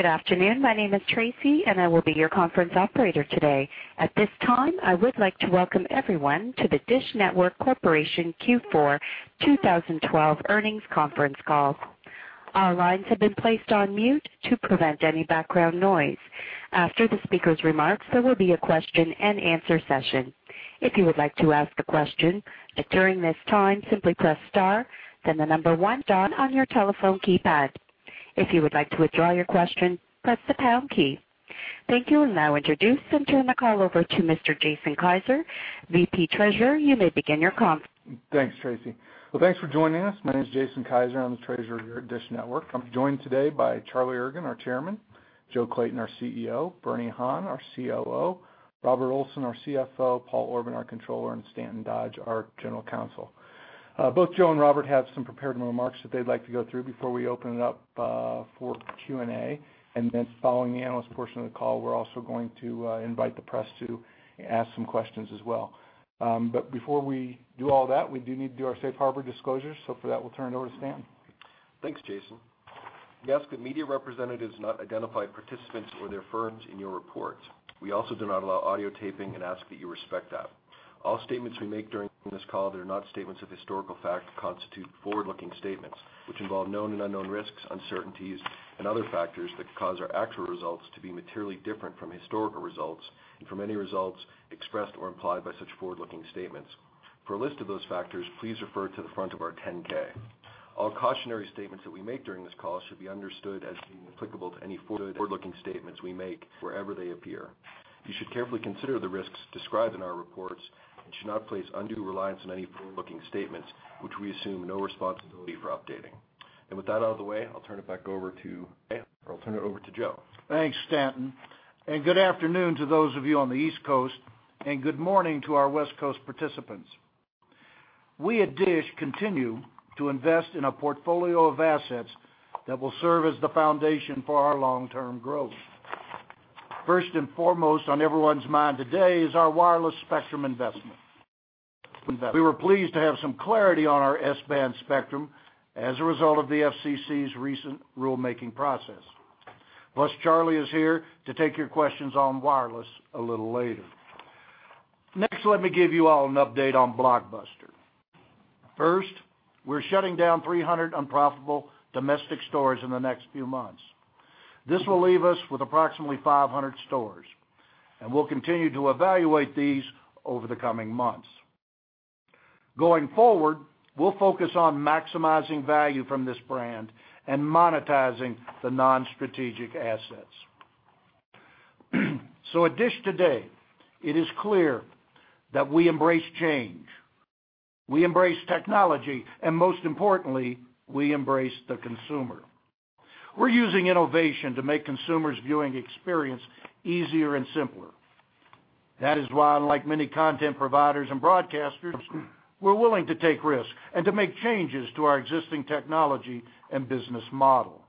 Good afternoon. My name is Tracy, and I will be your conference operator today. At this time, I would like to welcome everyone to the DISH Network Corporation Q4 2012 Earnings Conference Call. Our lines have been placed on mute to prevent any background noise. After the speaker's remarks, there will be a question-and-answer session. If you would like to ask a question during this time, simply press star, then the number one on your telephone keypad. If you would like to withdraw your question, press the pound key. Thank you. I'll now introduce and turn the call over to Mr. Jason Kiser, VP Treasurer. You may begin your conference. Thanks, Tracy. Thanks for joining us. My name is Jason Kiser. I'm the treasurer here at DISH Network. I'm joined today by Charlie Ergen, our Chairman, Joe Clayton, our CEO, Bernard Han, our COO, Robert Olson, our CFO, Paul Orban, our Controller, and Stanton Dodge, our General Counsel. Both Joe and Robert have some prepared remarks that they'd like to go through before we open it up for Q&A. Following the analyst portion of the call, we're also going to invite the press to ask some questions as well. Before we do all that, we do need to do our Safe Harbor disclosure. For that, we'll turn it over to Stan. Thanks, Jason. We ask that media representatives not identify participants or their firms in your report. We also do not allow audio taping and ask that you respect that. All statements we make during this call that are not statements of historical fact constitute forward-looking statements which involve known and unknown risks, uncertainties and other factors that cause our actual results to be materially different from historical results and from any results expressed or implied by such forward-looking statements. For a list of those factors, please refer to the front of our 10-K. All cautionary statements that we make during this call should be understood as being applicable to any forward-looking statements we make wherever they appear. You should carefully consider the risks described in our reports and should not place undue reliance on any forward-looking statements which we assume no responsibility for updating. With that out of the way, I'll turn it over to Joe. Thanks, Stanton. Good afternoon to those of you on the East Coast and good morning to our West Coast participants. We at DISH continue to invest in a portfolio of assets that will serve as the foundation for our long-term growth. First and foremost on everyone's mind today is our wireless spectrum investment. We were pleased to have some clarity on our S-band spectrum as a result of the FCC's recent rulemaking process. Charlie is here to take your questions on wireless a little later. Let me give you all an update on Blockbuster. We're shutting down 300 unprofitable domestic stores in the next few months. This will leave us with approximately 500 stores, and we'll continue to evaluate these over the coming months. Going forward, we'll focus on maximizing value from this brand and monetizing the non-strategic assets. At DISH today, it is clear that we embrace change, we embrace technology, and most importantly, we embrace the consumer. We're using innovation to make consumers viewing experience easier and simpler. That is why, unlike many content providers and broadcasters, we're willing to take risks and to make changes to our existing technology and business model.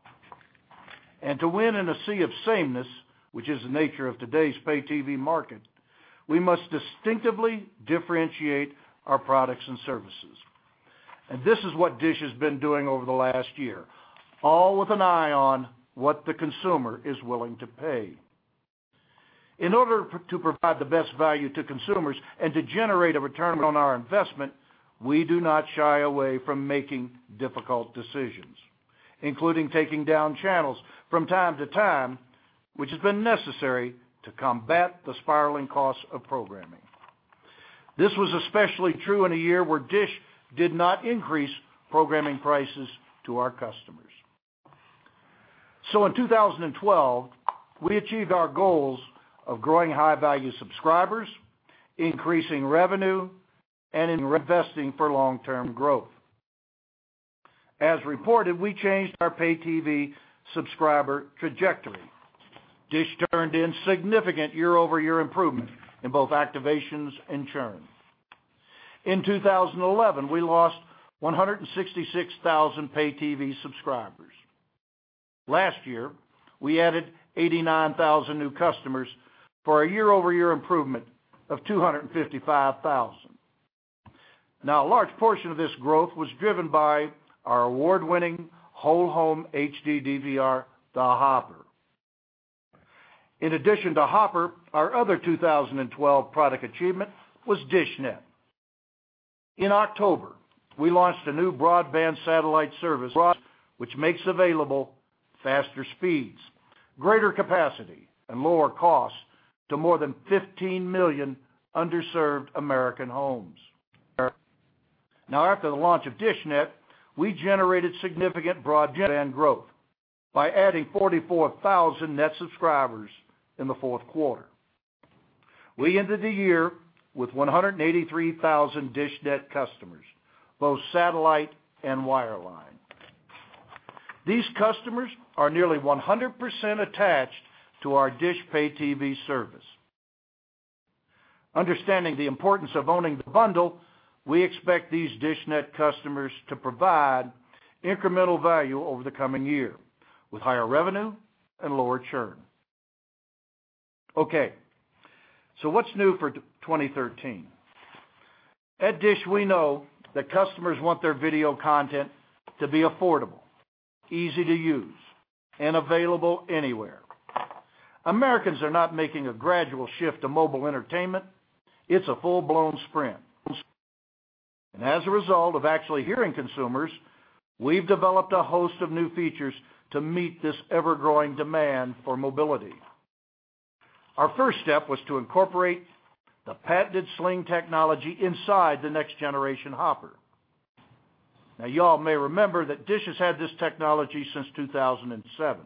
To win in a sea of sameness, which is the nature of today's Pay-TV market, we must distinctively differentiate our products and services. This is what DISH has been doing over the last year, all with an eye on what the consumer is willing to pay. In order to provide the best value to consumers and to generate a return on our investment, we do not shy away from making difficult decisions, including taking down channels from time to time, which has been necessary to combat the spiraling costs of programming. This was especially true in a year where DISH did not increase programming prices to our customers. In 2012, we achieved our goals of growing high-value subscribers, increasing revenue, and investing for long-term growth. As reported, we changed our Pay-TV subscriber trajectory. DISH turned in significant year-over-year improvement in both activations and churn. In 2011, we lost 166,000 Pay-TV subscribers. Last year, we added 89,000 new customers for a year-over-year improvement of 255,000. A large portion of this growth was driven by our award-winning whole home HD DVR, the Hopper. In addition to Hopper, our other 2012 product achievement was dishNET. In October, we launched a new broadband satellite service, which makes available faster speeds, greater capacity and lower costs to more than 15 million underserved American homes. After the launch of dishNET, we generated significant broadband growth by adding 44,000 net subscribers in the fourth quarter. We ended the year with 183,000 dishNET customers, both satellite and wireline. These customers are nearly 100% attached to our DISH Pay-TV service. Understanding the importance of owning the bundle, we expect these dishNET customers to provide incremental value over the coming year with higher revenue and lower churn. What's new for 2013? At DISH, we know that customers want their video content to be affordable, easy to use, and available anywhere. Americans are not making a gradual shift to mobile entertainment. It's a full-blown sprint. As a result of actually hearing consumers, we've developed a host of new features to meet this ever-growing demand for mobility. Our first step was to incorporate the patented Sling technology inside the next generation Hopper. You all may remember that DISH has had this technology since 2007.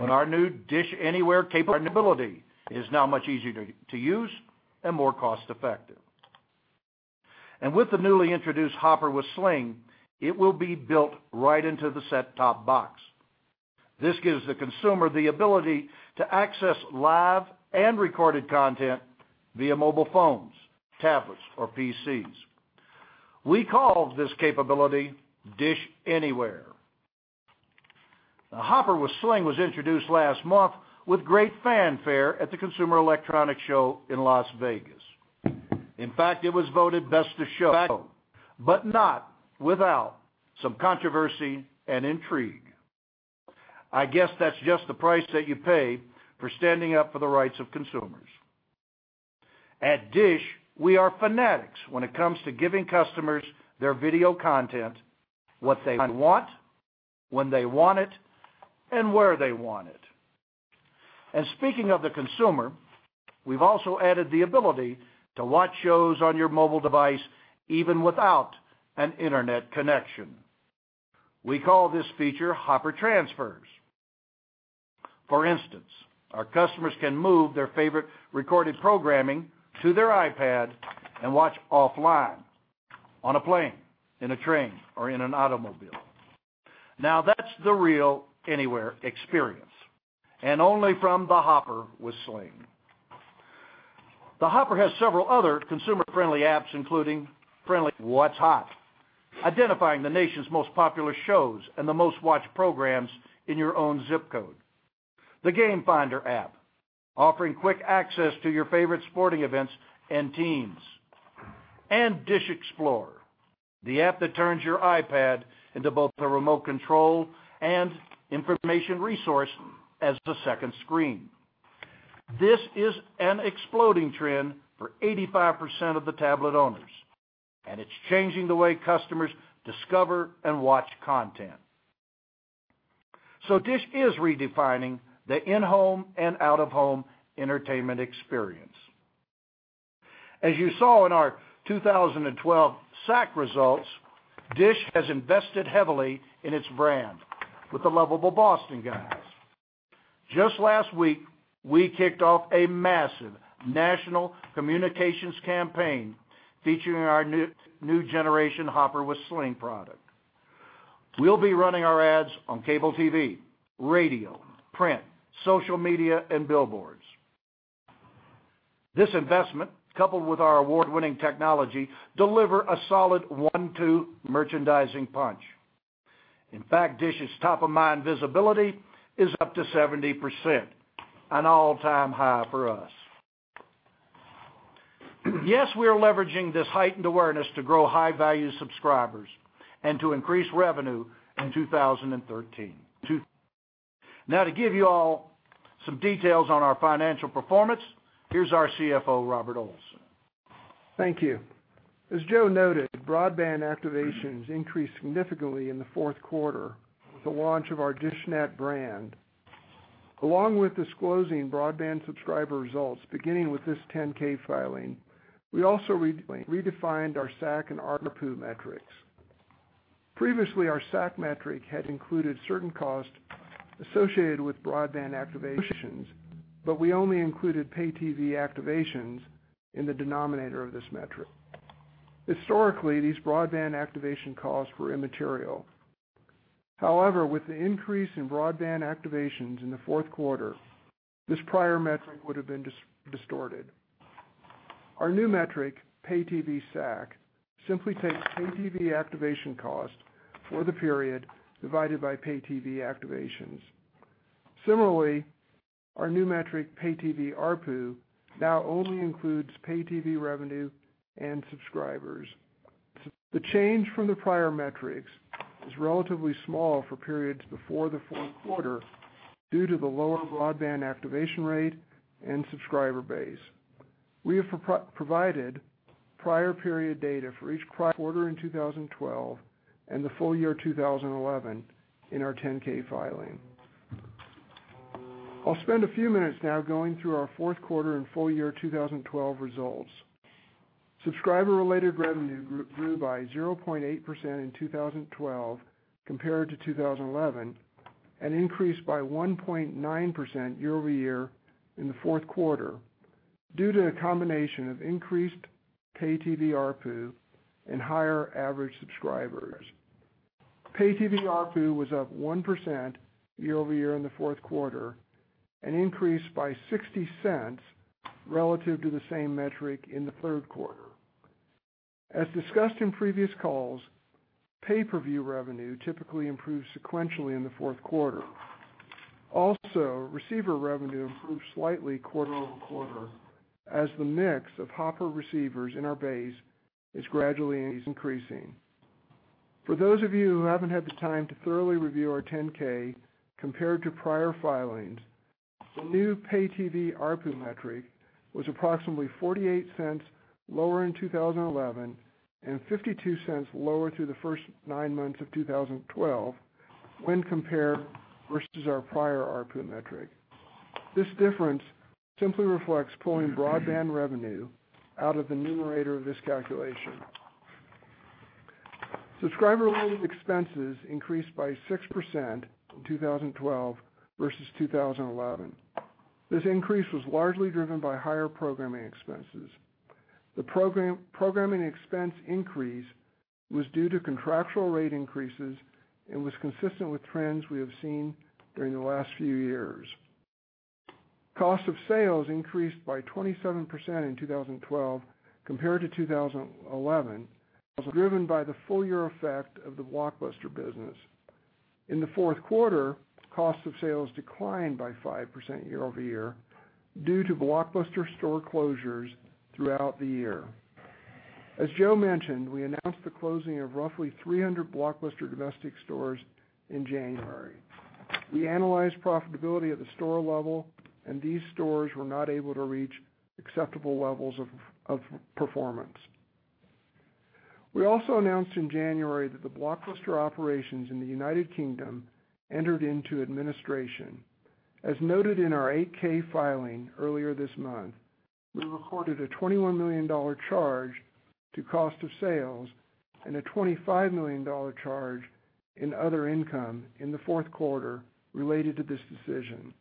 Our new DISH Anywhere capability is now much easier to use and more cost-effective. With the newly introduced Hopper with Sling, it will be built right into the set-top box. This gives the consumer the ability to access live and recorded content via mobile phones, tablets, or PCs. We call this capability DISH Anywhere. The Hopper with Sling was introduced last month with great fanfare at the Consumer Electronics Show in Las Vegas. In fact, it was voted best of show, not without some controversy and intrigue. I guess that's just the price that you pay for standing up for the rights of consumers. At DISH, we are fanatics when it comes to giving customers their video content what they want, when they want it, and where they want it. Speaking of the consumer, we've also added the ability to watch shows on your mobile device, even without an internet connection. We call this feature Hopper Transfers. For instance, our customers can move their favorite recorded programming to their iPad and watch offline, on a plane, in a train, or in an automobile. That's the real Anywhere experience, and only from the Hopper with Sling. The Hopper has several other consumer-friendly apps, including friendly What's Hot, identifying the nation's most popular shows and the most watched programs in your own zip code, and the Game Finder app, offering quick access to your favorite sporting events and teams. DISH Explorer, the app that turns your iPad into both a remote control and information resource as a second screen. This is an exploding trend for 85% of the tablet owners, and it's changing the way customers discover and watch content. DISH is redefining the in-home and out-of-home entertainment experience. As you saw in our 2012 SAC results, DISH has invested heavily in its brand with the lovable Boston Guys. Just last week, we kicked off a massive national communications campaign featuring our new generation Hopper with Sling product. We'll be running our ads on cable TV, radio, print, social media, and billboards. This investment, coupled with our award-winning technology, deliver a solid one-two merchandising punch. In fact, DISH's top-of-mind visibility is up to 70%, an all-time high for us. Yes, we are leveraging this heightened awareness to grow high-value subscribers and to increase revenue in 2013, now to give you all some details on our financial performance, here's our CFO, Robert Olson. Thank you. As Joe noted, broadband activations increased significantly in the fourth quarter with the launch of our dishNET brand. Along with disclosing broadband subscriber results beginning with this 10-K filing, we also redefined our SAC and ARPU metrics. Previously, our SAC metric had included certain costs associated with broadband activations, but we only included pay TV activations in the denominator of this metric. Historically, these broadband activation costs were immaterial. However, with the increase in broadband activations in the fourth quarter, this prior metric would have been distorted. Our new metric, pay TV SAC, simply takes pay TV activation cost for the period divided by pay TV activations. Similarly, our new metric, pay TV ARPU, now only includes pay TV revenue and subscribers. The change from the prior metrics is relatively small for periods before the fourth quarter due to the lower broadband activation rate and subscriber base. We have provided prior period data for each quarter in 2012 and the full year 2011 in our 10-K filing. I'll spend a few minutes now going through our fourth quarter and full year 2012 results. Subscriber-related revenue grew by 0.8% in 2012 compared to 2011 and increased by 1.9% year-over-year in the fourth quarter due to a combination of increased pay TV ARPU and higher average subscribers. Pay TV ARPU was up 1% year-over-year in the fourth quarter and increased by $0.60 relative to the same metric in the third quarter. As discussed in previous calls, pay-per-view revenue typically improves sequentially in the fourth quarter. Also, receiver revenue improves slightly quarter-over-quarter as the mix of Hopper receivers in our base is gradually increasing. For those of you who haven't had the time to thoroughly review our 10-K compared to prior filings, the new pay TV ARPU metric was approximately $0.48 lower in 2011 and $0.52 lower through the first 9 months of 2012 when compared versus our prior ARPU metric. This difference simply reflects pulling broadband revenue out of the numerator of this calculation. Subscriber-related expenses increased by 6% in 2012 versus 2011. This increase was largely driven by higher programming expenses. The programming expense increase was due to contractual rate increases and was consistent with trends we have seen during the last few years. Cost of sales increased by 27% in 2012 compared to 2011. It was driven by the full year effect of the Blockbuster business. In the fourth quarter, cost of sales declined by 5% year-over-year due to Blockbuster store closures throughout the year. As Joe mentioned, we announced the closing of roughly 300 Blockbuster domestic stores in January. We analyzed profitability at the store level, these stores were not able to reach acceptable levels of performance. We also announced in January that the Blockbuster operations in the U.K. entered into administration. As noted in our 8-K filing earlier this month, we recorded a $21 million charge to cost of sales and a $25 million charge in other income in the fourth quarter related to this decision.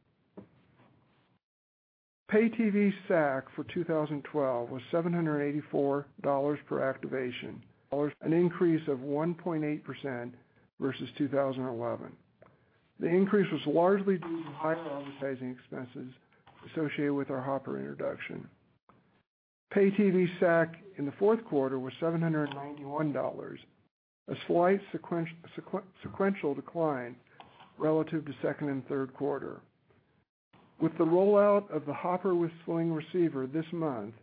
Pay TV SAC for 2012 was $784 per activation, an increase of 1.8% versus 2011. The increase was largely due to higher advertising expenses associated with our Hopper introduction. Pay TV SAC in the fourth quarter was $791, a slight sequential decline relative to second and third quarter. With the rollout of the Hopper with Sling receiver this month,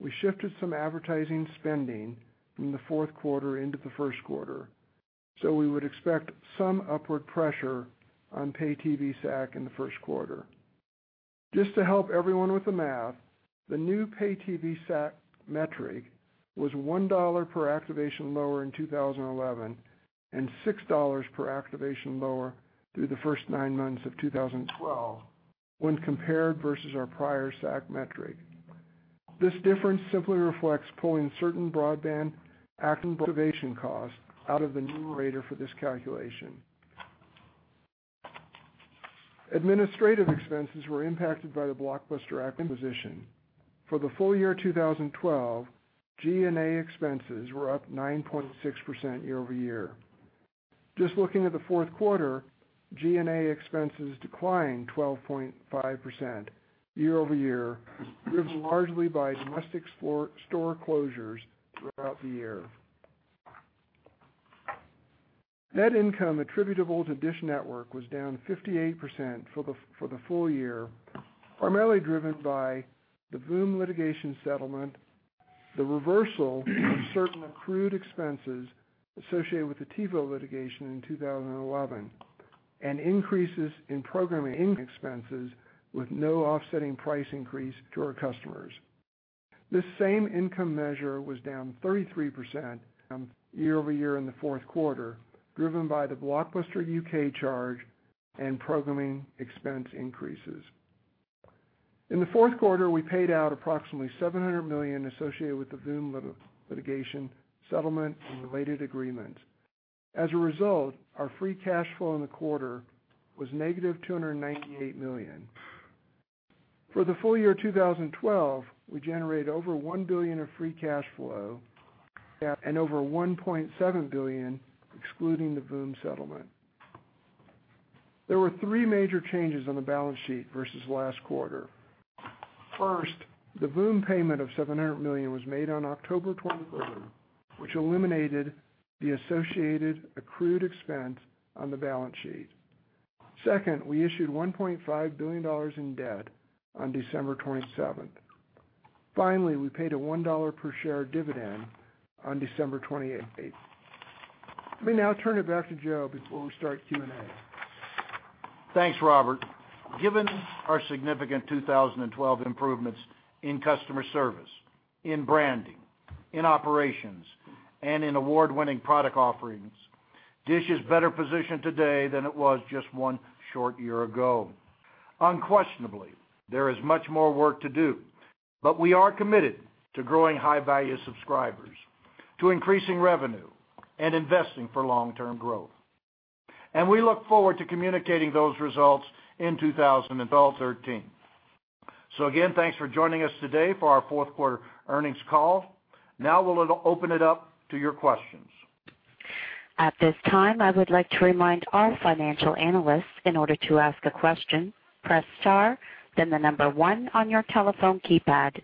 we shifted some advertising spending from the fourth quarter into the first quarter, so we would expect some upward pressure on pay TV SAC in the first quarter. Just to help everyone with the math, the new pay TV SAC metric was $1 per activation lower in 2011 and $6 per activation lower through the first nine months of 2012 when compared versus our prior SAC metric. This difference simply reflects pulling certain broadband AC activation costs out of the numerator for this calculation. Administrative expenses were impacted by the Blockbuster acquisition. For the full year 2012, G&A expenses were up 9.6% year-over-year. Just looking at the fourth quarter, G&A expenses declined 12.5% year-over-year, driven largely by domestic store closures throughout the year. Net income attributable to DISH Network was down 58% for the full year, primarily driven by the VOOM litigation settlement, the reversal of certain accrued expenses associated with the TiVo litigation in 2011, and increases in programming expenses with no offsetting price increase to our customers. This same income measure was down 33% year-over-year in the fourth quarter, driven by the Blockbuster UK charge and programming expense increases. In the fourth quarter, we paid out approximately $700 million associated with the VOOM litigation settlement and related agreement. As a result, our free cash flow in the quarter was $-298 million. For the full year 2012, we generated over $1 billion of free cash flow and over $1.7 billion excluding the VOOM settlement. There were three major changes on the balance sheet versus last quarter. First, the VOOM payment of $700 million was made on October 24th, which eliminated the associated accrued expense on the balance sheet. Second, we issued $1.5 billion in debt on December 27th. Finally, we paid a $1 per share dividend on December 28th. Let me now turn it back to Joe before we start Q&A. Thanks, Robert. Given our significant 2012 improvements in customer service, in branding, in operations, and in award-winning product offerings, DISH is better positioned today than it was just one short year ago. Unquestionably, there is much more work to do, we are committed to growing high-value subscribers, to increasing revenue, and investing for long-term growth. We look forward to communicating those results in 2013. Again, thanks for joining us today for our fourth quarter earnings call. Now we'll open it up to your questions. At this time, I would like to remind all financial analysts, in order to ask a question, press star, then the number one on your telephone keypad.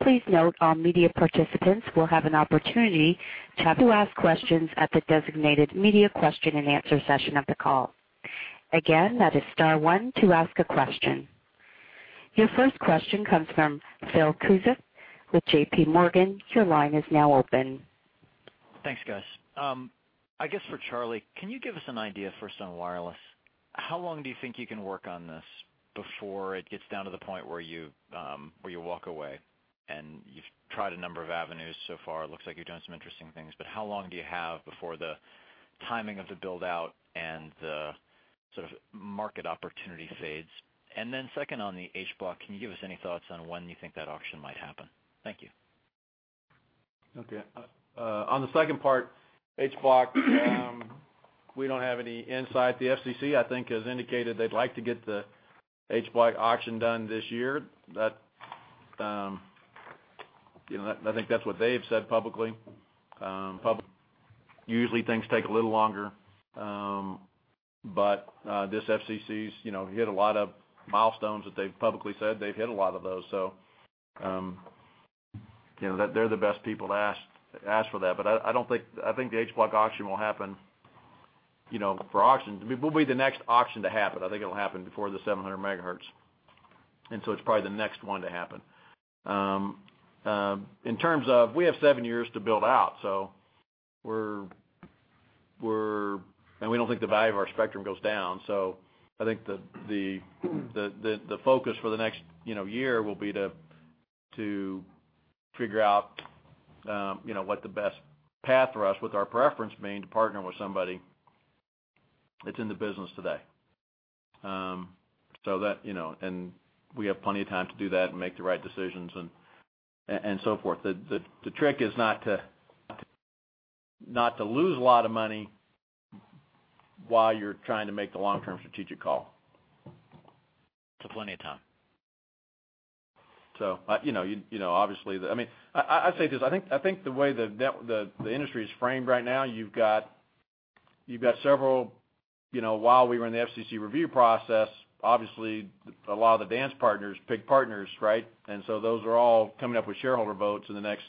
Please note all media participants will have an opportunity to ask questions at the designated media question and answer session of the call. Again, that is star one to ask a question. Your first question comes from Phil Cusick with JPMorgan. Your line is now open. Thanks, guys. I guess for Charlie, can you give us an idea first on wireless? How long do you think you can work on this before it gets down to the point where you where you walk away? You've tried a number of avenues so far. It looks like you're doing some interesting things, but how long do you have before the timing of the build-out and the sort of market opportunity fades? Second, on the H Block, can you give us any thoughts on when you think that auction might happen? Thank you. Okay. On the second part, H Block, we don't have any insight. The FCC, I think, has indicated they'd like to get the H Block auction done this year. You know, I think that's what they have said publicly. Usually things take a little longer, but this FCC's, you know, hit a lot of milestones that they've publicly said they've hit a lot of those. You know, they're the best people to ask for that. I think the H Block auction will happen, you know, for auctions. We'll be the next auction to happen. I think it'll happen before the 700 MHz. It's probably the next one to happen. In terms of we have 7 years to build out, and we don't think the value of our spectrum goes down. I think the focus for the next year will be to figure out what the best path for us with our preference being to partner with somebody that's in the business today. That, and we have plenty of time to do that and make the right decisions and so forth. The trick is not to lose a lot of money while you're trying to make the long-term strategic call. Plenty of time. You know, obviously I mean, I say this, I think the way the industry is framed right now, you've got several, you know, while we were in the FCC review process, obviously a lot of the dance partners picked partners. Those are all coming up with shareholder votes in the next,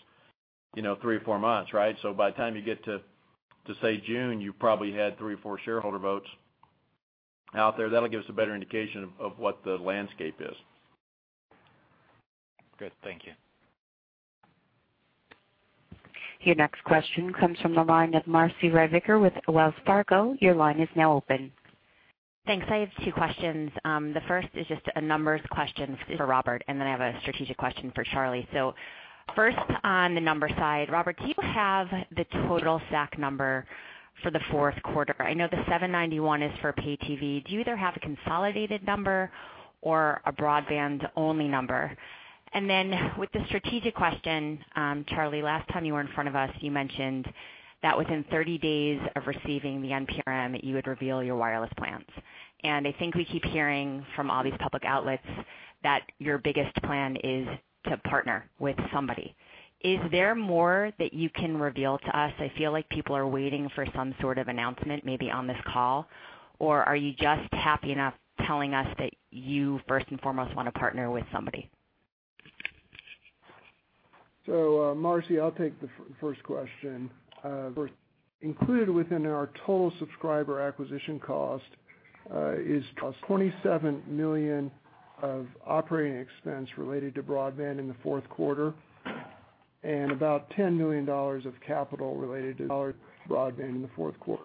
you know, three or four months. By the time you get to say, June, you probably had three or four shareholder votes out there. That'll give us a better indication of what the landscape is. Good. Thank you. Your next question comes from the line of Marci Ryvicker with Wells Fargo. Your line is now open. Thanks. I have two questions. The first is just a numbers question for Robert, and then I have a strategic question for Charlie. First, on the number side. Robert, do you have the total SAC number for the fourth quarter? I know the $791 is for pay TV. Do you either have a consolidated number or a broadband-only number? With the strategic question, Charlie, last time you were in front of us, you mentioned that within 30 days of receiving the NPRM, you would reveal your wireless plans. I think we keep hearing from all these public outlets that your biggest plan is to partner with somebody. Is there more that you can reveal to us? I feel like people are waiting for some sort of announcement, maybe on this call. Are you just happy enough telling us that you first and foremost want to partner with somebody? Marci, I'll take the first question. Included within our total subscriber acquisition cost is $27 million of operating expense related to broadband in the fourth quarter and about $10 million of capital related to broadband in the fourth quarter.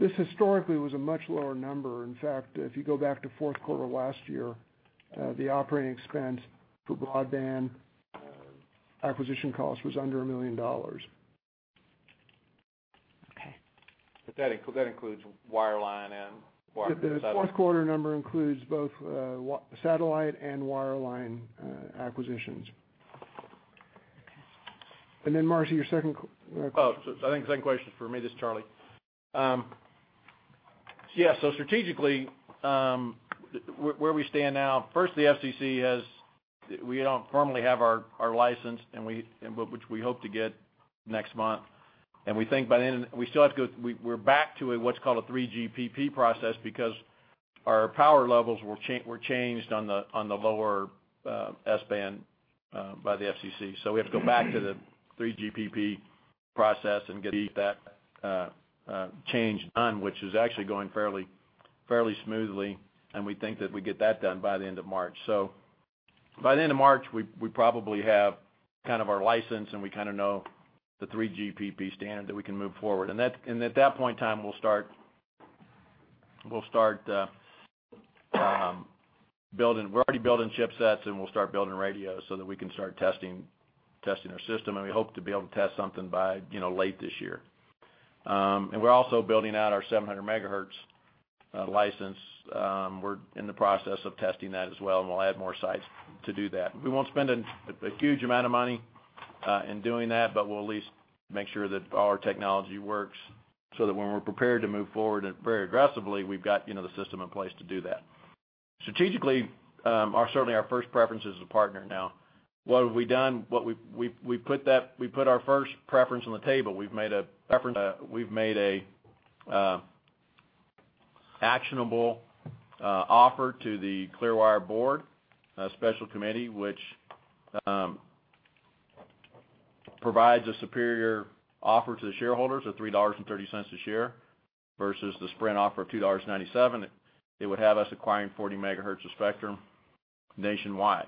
This historically was a much lower number. In fact, if you go back to fourth quarter last year, the operating expense for broadband acquisition cost was under $1 million. Okay. That includes wireline and wireless. The fourth quarter number includes both satellite and wireline acquisitions. Okay. Marci, your second question. I think second question is for me. This is Charlie. Strategically, where we stand now, first, the FCC, we don't formally have our license, which we hope to get next month. We think by then, we're back to a what's called a 3GPP process because our power levels were changed on the lower S-band by the FCC. We have to go back to the 3GPP process and get that change done, which is actually going fairly smoothly. We think that we get that done by the end of March. By the end of March, we probably have kind of our license. We kind of know the 3GPP standard that we can move forward. At that point in time, we'll start building. We're already building chipsets, and we'll start building radios so that we can start testing our system. We hope to be able to test something by, you know, late this year. We're also building out our 700 MHz license. We're in the process of testing that as well, we'll add more sites to do that. We won't spend a huge amount of money in doing that, but we'll at least make sure that our technology works so that when we're prepared to move forward very aggressively, we've got, you know, the system in place to do that. Strategically, certainly our first preference is to partner now. What have we done? We've put our first preference on the table. We've made an actionable offer to the Clearwire board, a special committee which provides a superior offer to the shareholders of $3.30 a share versus the Sprint offer of $2.97. It would have us acquiring 40 MHz of spectrum nationwide.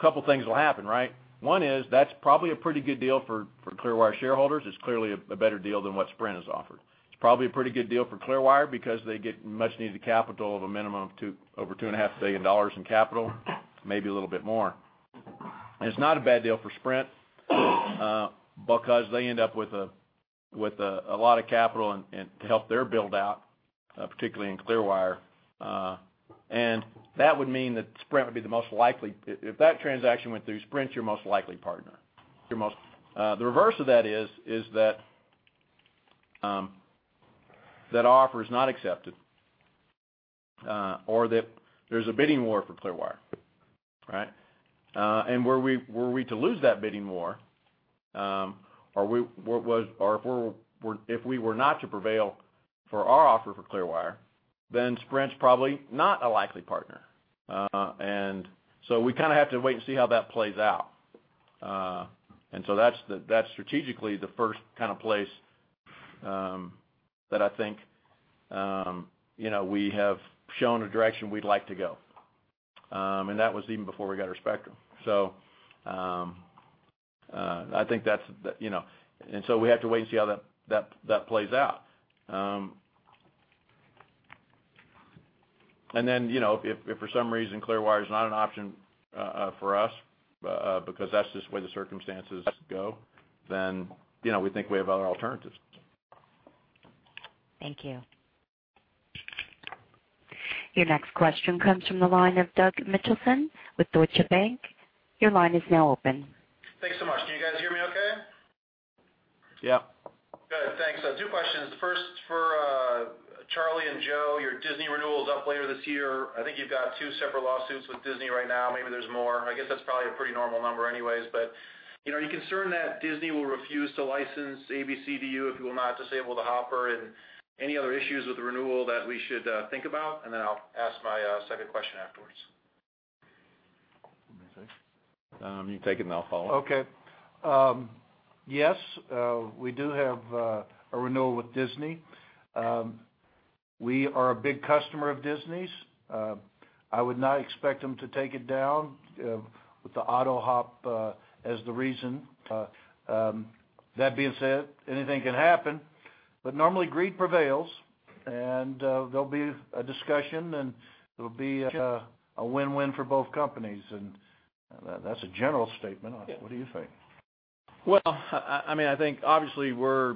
Couple things will happen, right? One is that's probably a pretty good deal for Clearwire shareholders. It's clearly a better deal than what Sprint has offered. It's probably a pretty good deal for Clearwire because they get much-needed capital of a minimum of over $2.5 billion in capital, maybe a little bit more. It's not a bad deal for Sprint because they end up with a lot of capital and to help their build-out, particularly in Clearwire. That would mean that Sprint would be the most likely If, if that transaction went through, Sprint's your most likely partner. The reverse of that is that offer is not accepted, or that there's a bidding war for Clearwire, right? Were we to lose that bidding war, or if we were not to prevail for our offer for Clearwire, then Sprint's probably not a likely partner. So we kinda have to wait and see how that plays out. So that's the, that's strategically the first kinda place, that I think, you know, we have shown a direction we'd like to go. That was even before we got our spectrum. I think that's, you know. We have to wait and see how that plays out. You know, if for some reason Clearwire is not an option for us, because that's just the way the circumstances go, then, you know, we think we have other alternatives. Thank you. Your next question comes from the line of Doug Mitchelson with Deutsche Bank. Your line is now open. Thanks so much. Can you guys hear me okay? Yeah. Good. Thanks. Two questions. First for Charlie and Joe. Your Disney renewal is up later this year. I think you've got two separate lawsuits with Disney right now. Maybe there's more. I guess that's probably a pretty normal number anyways. You know, are you concerned that Disney will refuse to license ABC to you if you will not disable the Hopper? Any other issues with the renewal that we should think about? Then I'll ask my second question afterwards. You wanna answer? You take it and I'll follow. Okay. Yes, we do have a renewal with Disney. We are a big customer of Disney's. I would not expect them to take it down with the AutoHop as the reason. That being said, anything can happen. Normally, greed prevails, and there'll be a discussion, and it'll be a win-win for both companies. That's a general statement. What do you think? Well, I mean, I think obviously we're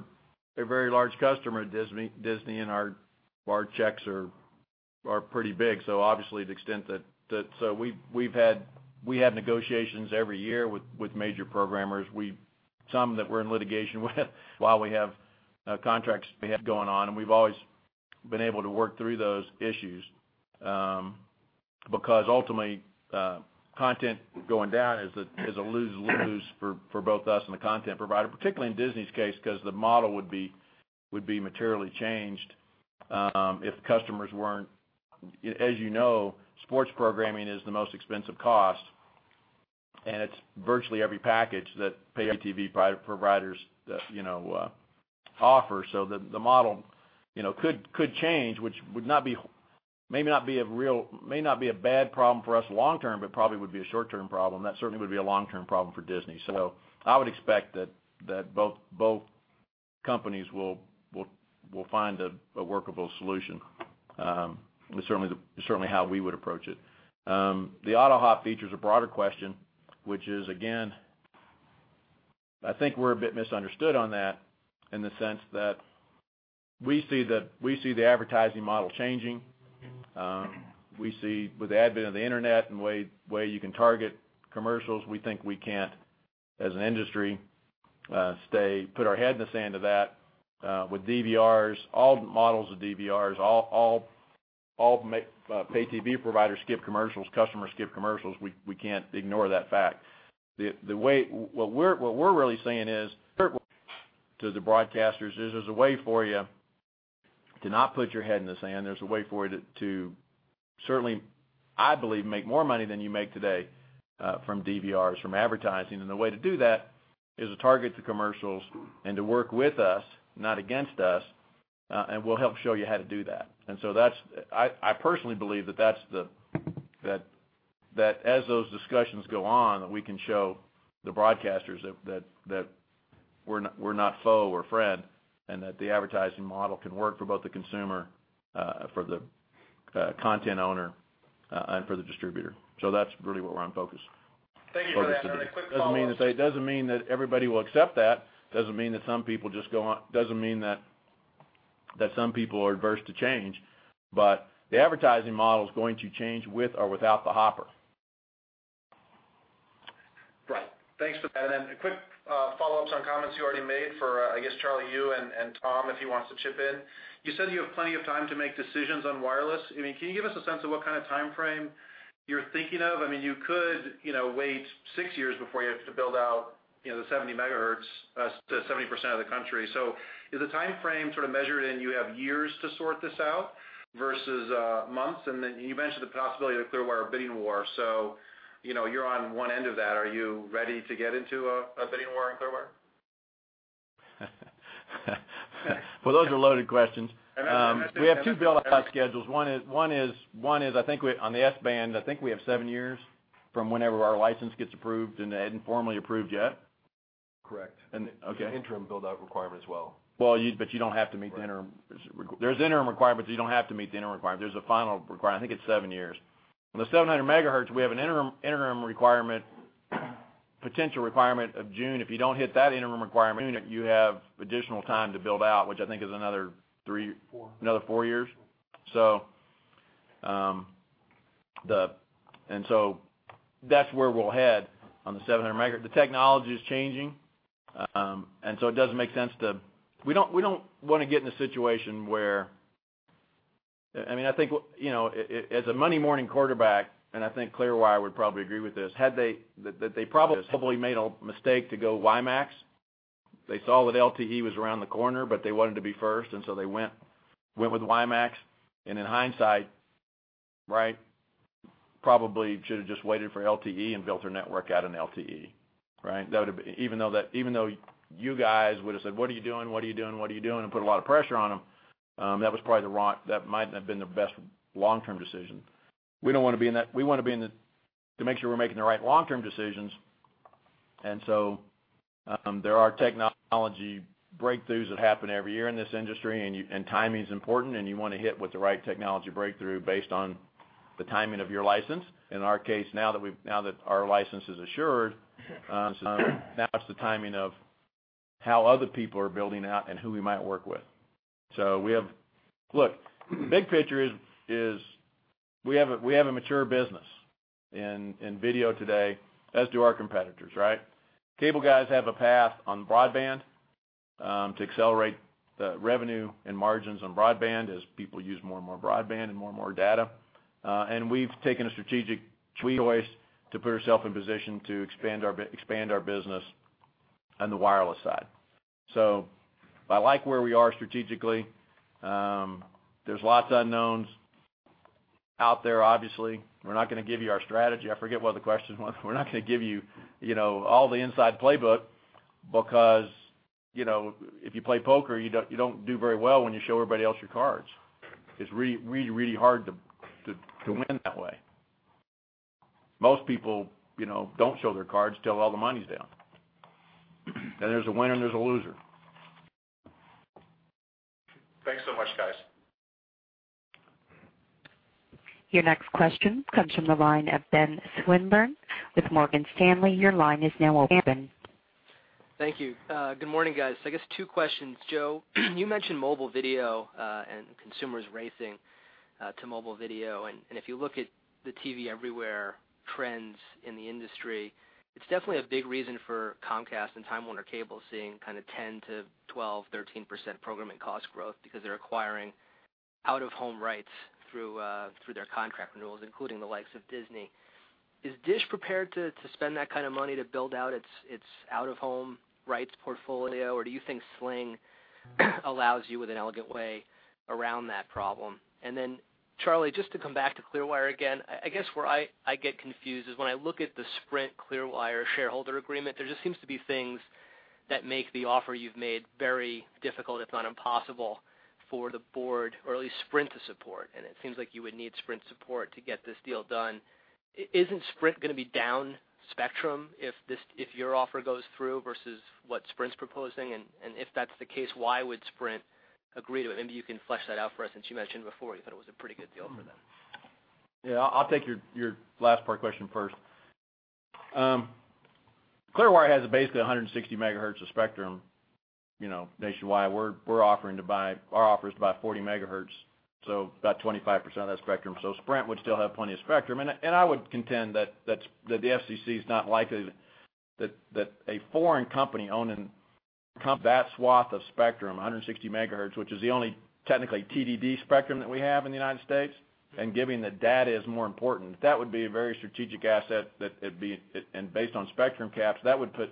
a very large customer at Disney, and our checks are pretty big. Obviously we have negotiations every year with major programmers. Some that we're in litigation with while we have contracts we have going on, we've always been able to work through those issues. Because ultimately, content going down is a lose-lose for both us and the content provider, particularly in Disney's case, 'cause the model would be materially changed if customers weren't. As you know, sports programming is the most expensive cost. It's virtually every package that pay TV providers, you know, offer. The model, you know, could change, which would not be a bad problem for us long term, but probably would be a short-term problem. That certainly would be a long-term problem for Disney. I would expect that both companies will find a workable solution. Certainly how we would approach it. The AutoHop feature is a broader question, which is, again, I think we're a bit misunderstood on that in the sense that we see the advertising model changing. We see with the advent of the Internet and way you can target commercials, we think we can't, as an industry, put our head in the sand to that. With DVRs, all models of DVRs, all pay TV providers skip commercials, customers skip commercials. We can't ignore that fact. What we're really saying is to the broadcasters is there's a way for you to not put your head in the sand. There's a way for you to certainly, I believe, make more money than you make today, from DVRs, from advertising. The way to do that is to target the commercials and to work with us, not against us, and we'll help show you how to do that. That's I personally believe that that's that as those discussions go on, that we can show the broadcasters that we're not foe, we're friend, and that the advertising model can work for both the consumer, for the content owner, and for the distributor. That's really where I'm focused. Thank you for that. A quick follow-up. It doesn't mean that everybody will accept that, doesn't mean that some people are adverse to change, but the advertising model is going to change with or without the Hopper. A quick follow-ups on comments you already made for I guess, Charlie, you and Tom, if he wants to chip in. You said you have plenty of time to make decisions on wireless. I mean, can you give us a sense of what kind of timeframe you're thinking of? I mean, you could, you know, wait 6 years before you have to build out, you know, the 70 MHz to 70% of the country. Is the timeframe sort of measured in you have years to sort this out versus months? You mentioned the possibility of Clearwire bidding war, so, you know, you're on one end of that. Are you ready to get into a bidding war on Clearwire? Well, those are loaded questions. The other question. We have 2 build out schedules. One is, on the S-band, I think we have 7 years from whenever our license gets approved, and they hadn't formally approved yet. Correct. Okay. There's an interim build-out requirement as well. Well, you don't have to meet the interim re- Right. There's interim requirements, but you don't have to meet the interim requirement. There's a final requirement I think it's seven years. On the 700 MHz, we have an interim requirement, potential requirement of June. If you don't hit that interim requirement, you have additional time to build out, which I think is another. Four another 4 years. That's where we'll head on the 700 MHz. The technology is changing, and so it doesn't make sense to We don't wanna get in a situation where I mean, I think, you know, as a Monday morning quarterback, and I think Clearwire would probably agree with this, had they that they probably made a mistake to go WiMAX. They saw that LTE was around the corner, but they wanted to be first, they went with WiMAX, and in hindsight, right? Probably should've just waited for LTE and built their network out on LTE, right? That would have been Even though you guys would've said, "What are you doing? What are you doing? What are you doing?" Put a lot of pressure on them, that might not have been the best long-term decision. We don't wanna be in that. We wanna be to make sure we're making the right long-term decisions. There are technology breakthroughs that happen every year in this industry, and timing's important, and you wanna hit with the right technology breakthrough based on the timing of your license. In our case, now that our license is assured, now it's the timing of how other people are building out and who we might work with. We have Look, big picture is, we have a mature business in video today, as do our competitors, right? Cable guys have a path on broadband to accelerate the revenue and margins on broadband as people use more and more broadband and more and more data. We've taken a strategic choice to put ourself in position to expand our business on the wireless side. I like where we are strategically. There's lots of unknowns out there, obviously. We're not gonna give you our strategy. I forget what the question was. We're not gonna give you know, all the inside playbook because, you know, if you play poker, you don't, you don't do very well when you show everybody else your cards. It's really hard to win that way. Most people, you know, don't show their cards till all the money's down. There's a winner and there's a loser. Thanks so much, guys. Your next question comes from the line of Ben Swinburne with Morgan Stanley. Your line is now open. Thank you. Good morning, guys. I guess two questions. Joe, you mentioned mobile video, and consumers racing to mobile video. If you look at the TV Everywhere trends in the industry, it's definitely a big reason for Comcast and Time Warner Cable seeing kind of 10%-12%, 13% programming cost growth because they're acquiring out-of-home rights through their contract renewals, including the likes of Disney. Is DISH prepared to spend that kind of money to build out its out-of-home rights portfolio, or do you think Sling allows you with an elegant way around that problem? Charlie, just to come back to Clearwire again, I guess where I get confused is when I look at the Sprint Clearwire shareholder agreement, there just seems to be things that make the offer you've made very difficult, if not impossible, for the board or at least Sprint to support, and it seems like you would need Sprint support to get this deal done. Isn't Sprint gonna be down spectrum if your offer goes through versus what Sprint's proposing? If that's the case, why would Sprint agree to it? Maybe you can flesh that out for us since you mentioned before you thought it was a pretty good deal for them. Yeah. I'll take your last part question first. Clearwire has basically 160 MHz of spectrum, you know, nationwide. We're offering to buy our offer is to buy 40 MHz, so about 25% of that spectrum. Sprint would still have plenty of spectrum. I would contend that the FCC's not likely to. That a foreign company owning that swath of spectrum, 160 MHz, which is the only technically TDD spectrum that we have in the U.S., and given that data is more important, that would be a very strategic asset that it'd be. Based on spectrum caps, that would put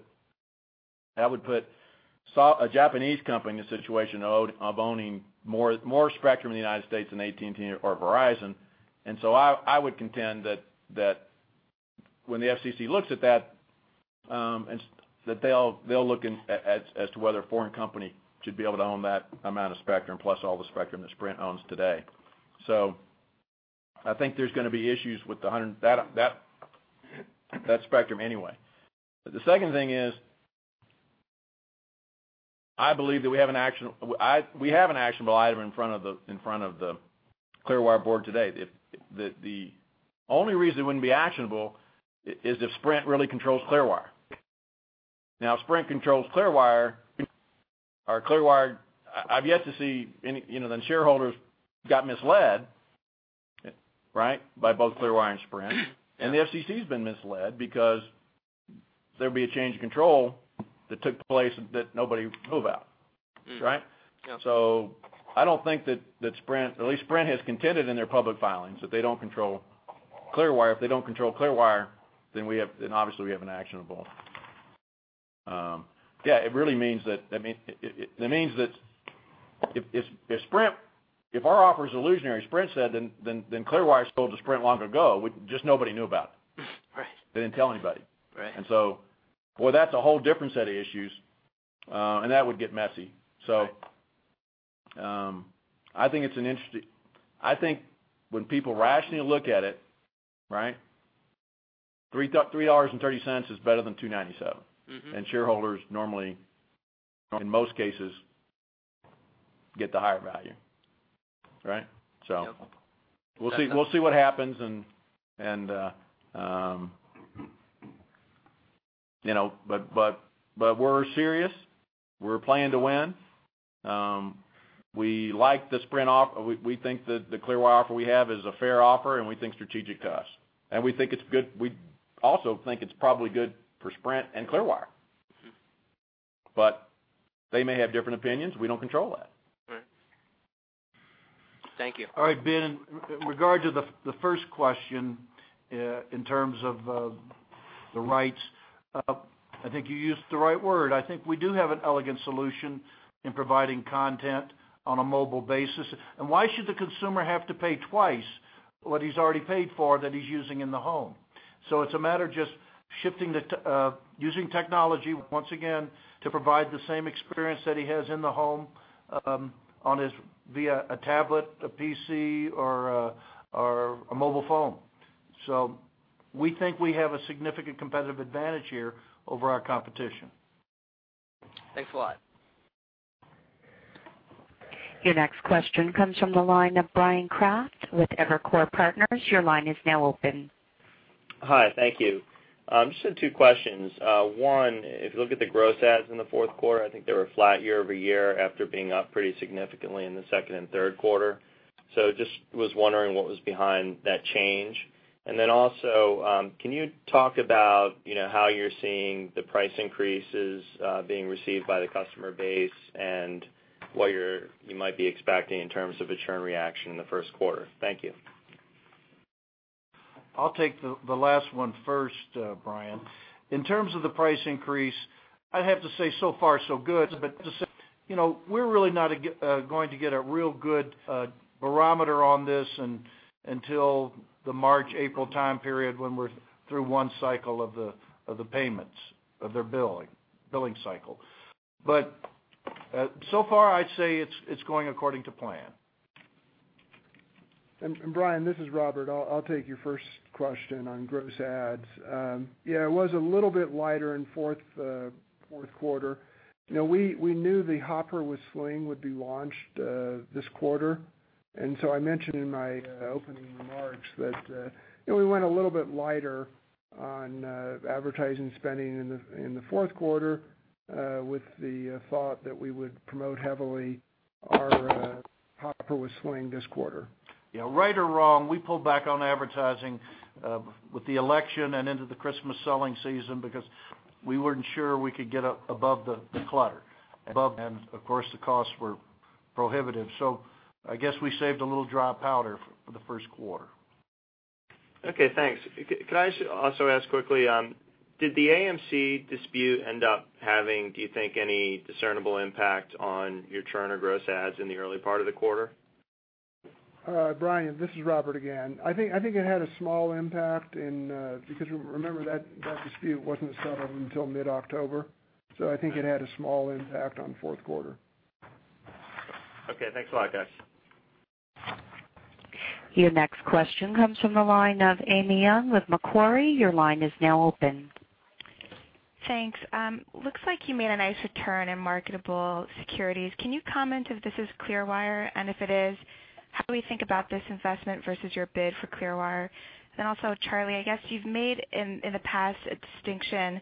a Japanese company in a situation of owning more spectrum in the U.S. than AT&T or Verizon. I would contend that when the FCC looks at that they'll look in, as to whether a foreign company should be able to own that amount of spectrum plus all the spectrum that Sprint owns today. I think there's gonna be issues with the H Block spectrum anyway. The second thing is, I believe that we have an actionable item in front of the Clearwire board today. If the only reason it wouldn't be actionable is if Sprint really controls Clearwire. Now, if Sprint controls Clearwire, I've yet to see any, you know, them shareholders got misled, right? By both Clearwire and Sprint. The FCC's been misled because there'd be a change of control that took place that nobody knew about. Right? Yeah. I don't think that Sprint At least Sprint has contended in their public filings that they don't control Clearwire. If they don't control Clearwire, then obviously we have an actionable. Yeah, it really means that it means that if Sprint, if our offer is illusionary, Sprint said, then Clearwire sold to Sprint long ago, we just nobody knew about it. Right. They didn't tell anybody. Right. Boy, that's a whole different set of issues, and that would get messy. Right. I think when people rationally look at it, right, $3.30 is better than $2.97. Shareholders normally, in most cases, get the higher value, right? Yeah. We'll see what happens and, you know, but we're serious. We're playing to win. We think that the Clearwire offer we have is a fair offer, and we think strategic to us. We think it's good. We also think it's probably good for Sprint and Clearwire. They may have different opinions. We don't control that. Right. Thank you. All right, Ben, in regard to the first question, in terms of the rights, I think you used the right word. I think we do have an elegant solution in providing content on a mobile basis. Why should the consumer have to pay twice what he's already paid for that he's using in the home? It's a matter of just shifting using technology, once again, to provide the same experience that he has in the home, via a tablet, a PC or a mobile phone. We think we have a significant competitive advantage here over our competition. Thanks a lot. Your next question comes from the line of Brian Kraft with Evercore Partners. Your line is now open. Hi, thank you. Just have two questions. One, if you look at the gross adds in the fourth quarter, I think they were flat year-over-year after being up pretty significantly in the second and third quarter. Just was wondering what was behind that change. Also, can you talk about, you know, how you're seeing the price increases being received by the customer base and what you might be expecting in terms of a churn reaction in the first quarter? Thank you. I'll take the last one first, Brian. In terms of the price increase, I'd have to say so far so good. You know, we're really not going to get a real good barometer on this until the March, April time period when we're through one cycle of the payments, of their billing cycle. So far, I'd say it's going according to plan. Brian, this is Robert. I'll take your first question on gross adds. Yeah, it was a little bit lighter in fourth quarter. You know, we knew the Hopper with Sling would be launched this quarter. I mentioned in my opening remarks that, you know, we went a little bit lighter on advertising spending in the fourth quarter with the thought that we would promote heavily our Hopper with Sling this quarter. Yeah, right or wrong, we pulled back on advertising with the election and into the Christmas selling season because we weren't sure we could get up above the clutter. Of course, the costs were prohibitive. I guess we saved a little dry powder for the first quarter. Okay, thanks. Could I just also ask quickly, did the AMC dispute end up having, do you think, any discernible impact on your churn or gross adds in the early part of the quarter? Brian, this is Robert again. I think it had a small impact because remember that dispute wasn't settled until mid-October. I think it had a small impact on fourth quarter. Okay, thanks a lot, guys. Your next question comes from the line of Amy Yong with Macquarie. Your line is now open. Thanks. Looks like you made a nice return in marketable securities. Can you comment if this is Clearwire? If it is, how do we think about this investment versus your bid for Clearwire? Then also, Charlie, I guess you've made in the past a distinction,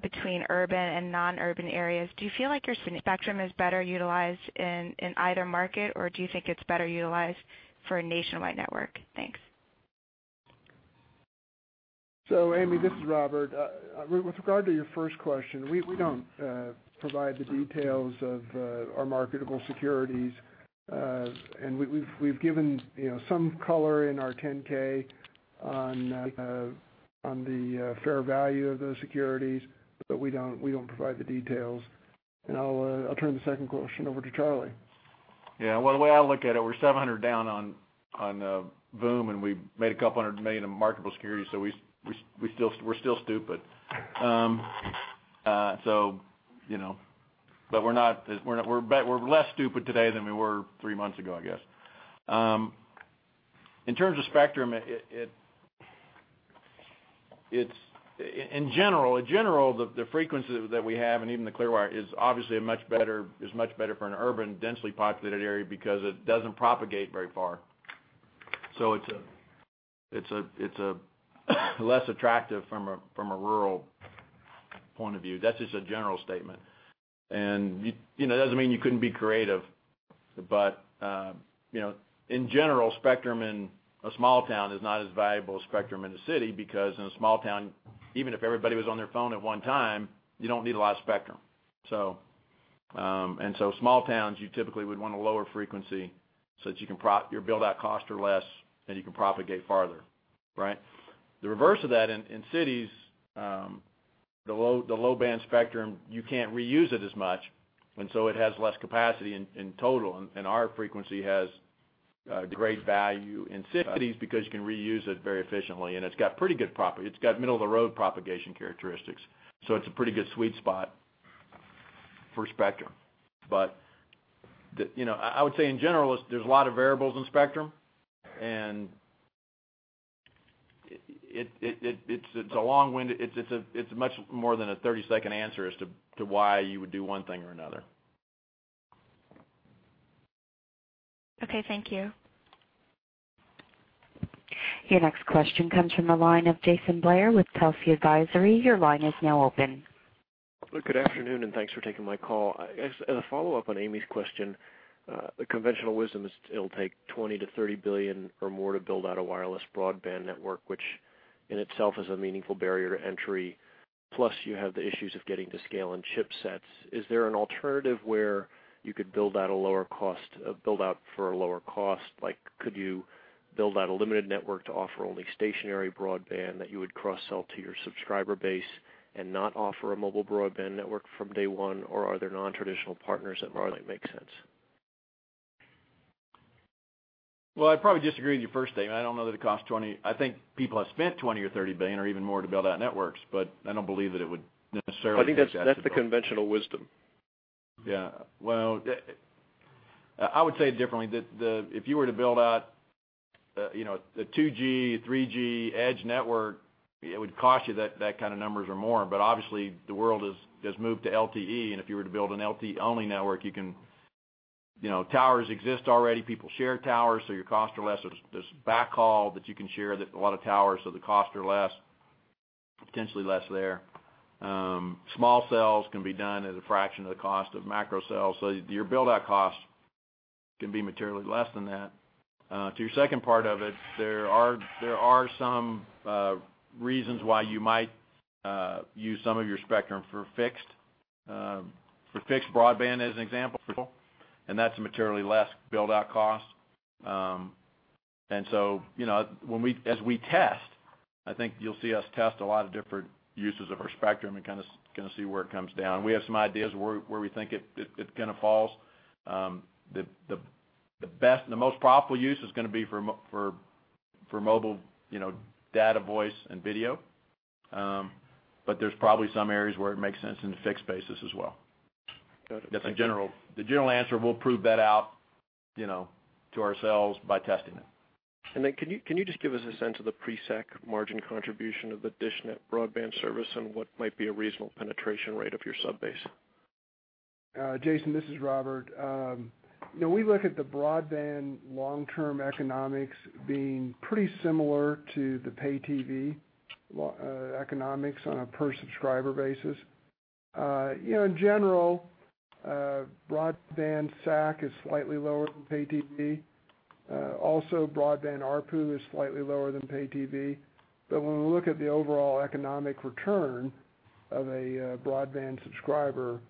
between urban and non-urban areas. Do you feel like your spectrum is better utilized in either market, or do you think it's better utilized for a nationwide network? Thanks. Amy, this is Robert. With regard to your first question, we don't provide the details of our marketable securities. We've given, you know, some color in our 10-K on the fair value of those securities. We don't provide the details. I'll turn the second question over to Charlie. Yeah. Well, the way I look at it, we're $700 million down on VOOM, and we made $200 million in marketable securities, so we're still stupid. You know. We're less stupid today than we were 3 months ago, I guess. In terms of spectrum, in general, the frequencies that we have and even the Clearwire is much better for an urban densely populated area because it doesn't propagate very far. It's a less attractive from a rural point of view. That's just a general statement. You know, it doesn't mean you couldn't be creative, but, you know, in general, spectrum in a small town is not as valuable as spectrum in a city because in a small town, even if everybody was on their phone at one time, you don't need a lot of spectrum. Small towns, you typically would want a lower frequency so that you can Your build-out costs are less, and you can propagate farther, right? The reverse of that in cities, the low-band spectrum, you can't reuse it as much, and so it has less capacity in total. Our frequency has great value in cities because you can reuse it very efficiently, and it's got pretty good middle of the road propagation characteristics, so it's a pretty good sweet spot for spectrum. The, you know, I would say in general is there's a lot of variables in spectrum, and it's much more than a 30 second answer as to why you would do one thing or another. Okay, thank you. Your next question comes from the line of [Jason Bazinet] with Kelsey Advisory. Your line is now open. Good afternoon, thanks for taking my call. I guess as a follow-up on Amy's question, the conventional wisdom is it'll take $20 billion-$30 billion or more to build out a wireless broadband network, which in itself is a meaningful barrier to entry. Plus you have the issues of getting to scale on chipsets. Is there an alternative where you could build out a lower cost, build out for a lower cost? Like could you build out a limited network to offer only stationary broadband that you would cross-sell to your subscriber base and not offer a mobile broadband network from day 1? Are there non-traditional partners that might make sense? Well, I'd probably disagree with your first statement. I don't know that it costs $20. I think people have spent $20 billion or $30 billion or even more to build out networks, but I don't believe that it would necessarily take that. I think that's the conventional wisdom. Yeah. Well, I would say it differently. If you were to build out, you know, a 2G, 3G EDGE network, it would cost you that kind of numbers or more. Obviously the world has moved to LTE, and if you were to build an LTE only network, You know, towers exist already. People share towers, so your costs are less. There's backhaul that you can share that a lot of towers, so the costs are less, potentially less there. Small cells can be done at a fraction of the cost of macro cells. Your build-out costs can be materially less than that. To your second part of it, there are some reasons why you might use some of your spectrum for fixed broadband as an example, and that's a materially less build-out cost. You know, as we test, I think you'll see us test a lot of different uses of our spectrum and kinda see where it comes down. We have some ideas where we think it kinda falls. The best and the most profitable use is gonna be for mobile, you know, data, voice, and video. But there's probably some areas where it makes sense in the fixed basis as well. Got it. Thank you. That's the general answer. We'll prove that out, you know, to ourselves by testing it. Can you just give us a sense of the pre-SAC margin contribution of the dishNET broadband service and what might be a reasonable penetration rate of your sub-base? Jason, this is Robert. You know, we look at the broadband long-term economics being pretty similar to the pay TV economics on a per subscriber basis. You know, in general, broadband SAC is slightly lower than pay TV. Broadband ARPU is slightly lower than pay TV. When we look at the overall economic return of a broadband subscriber,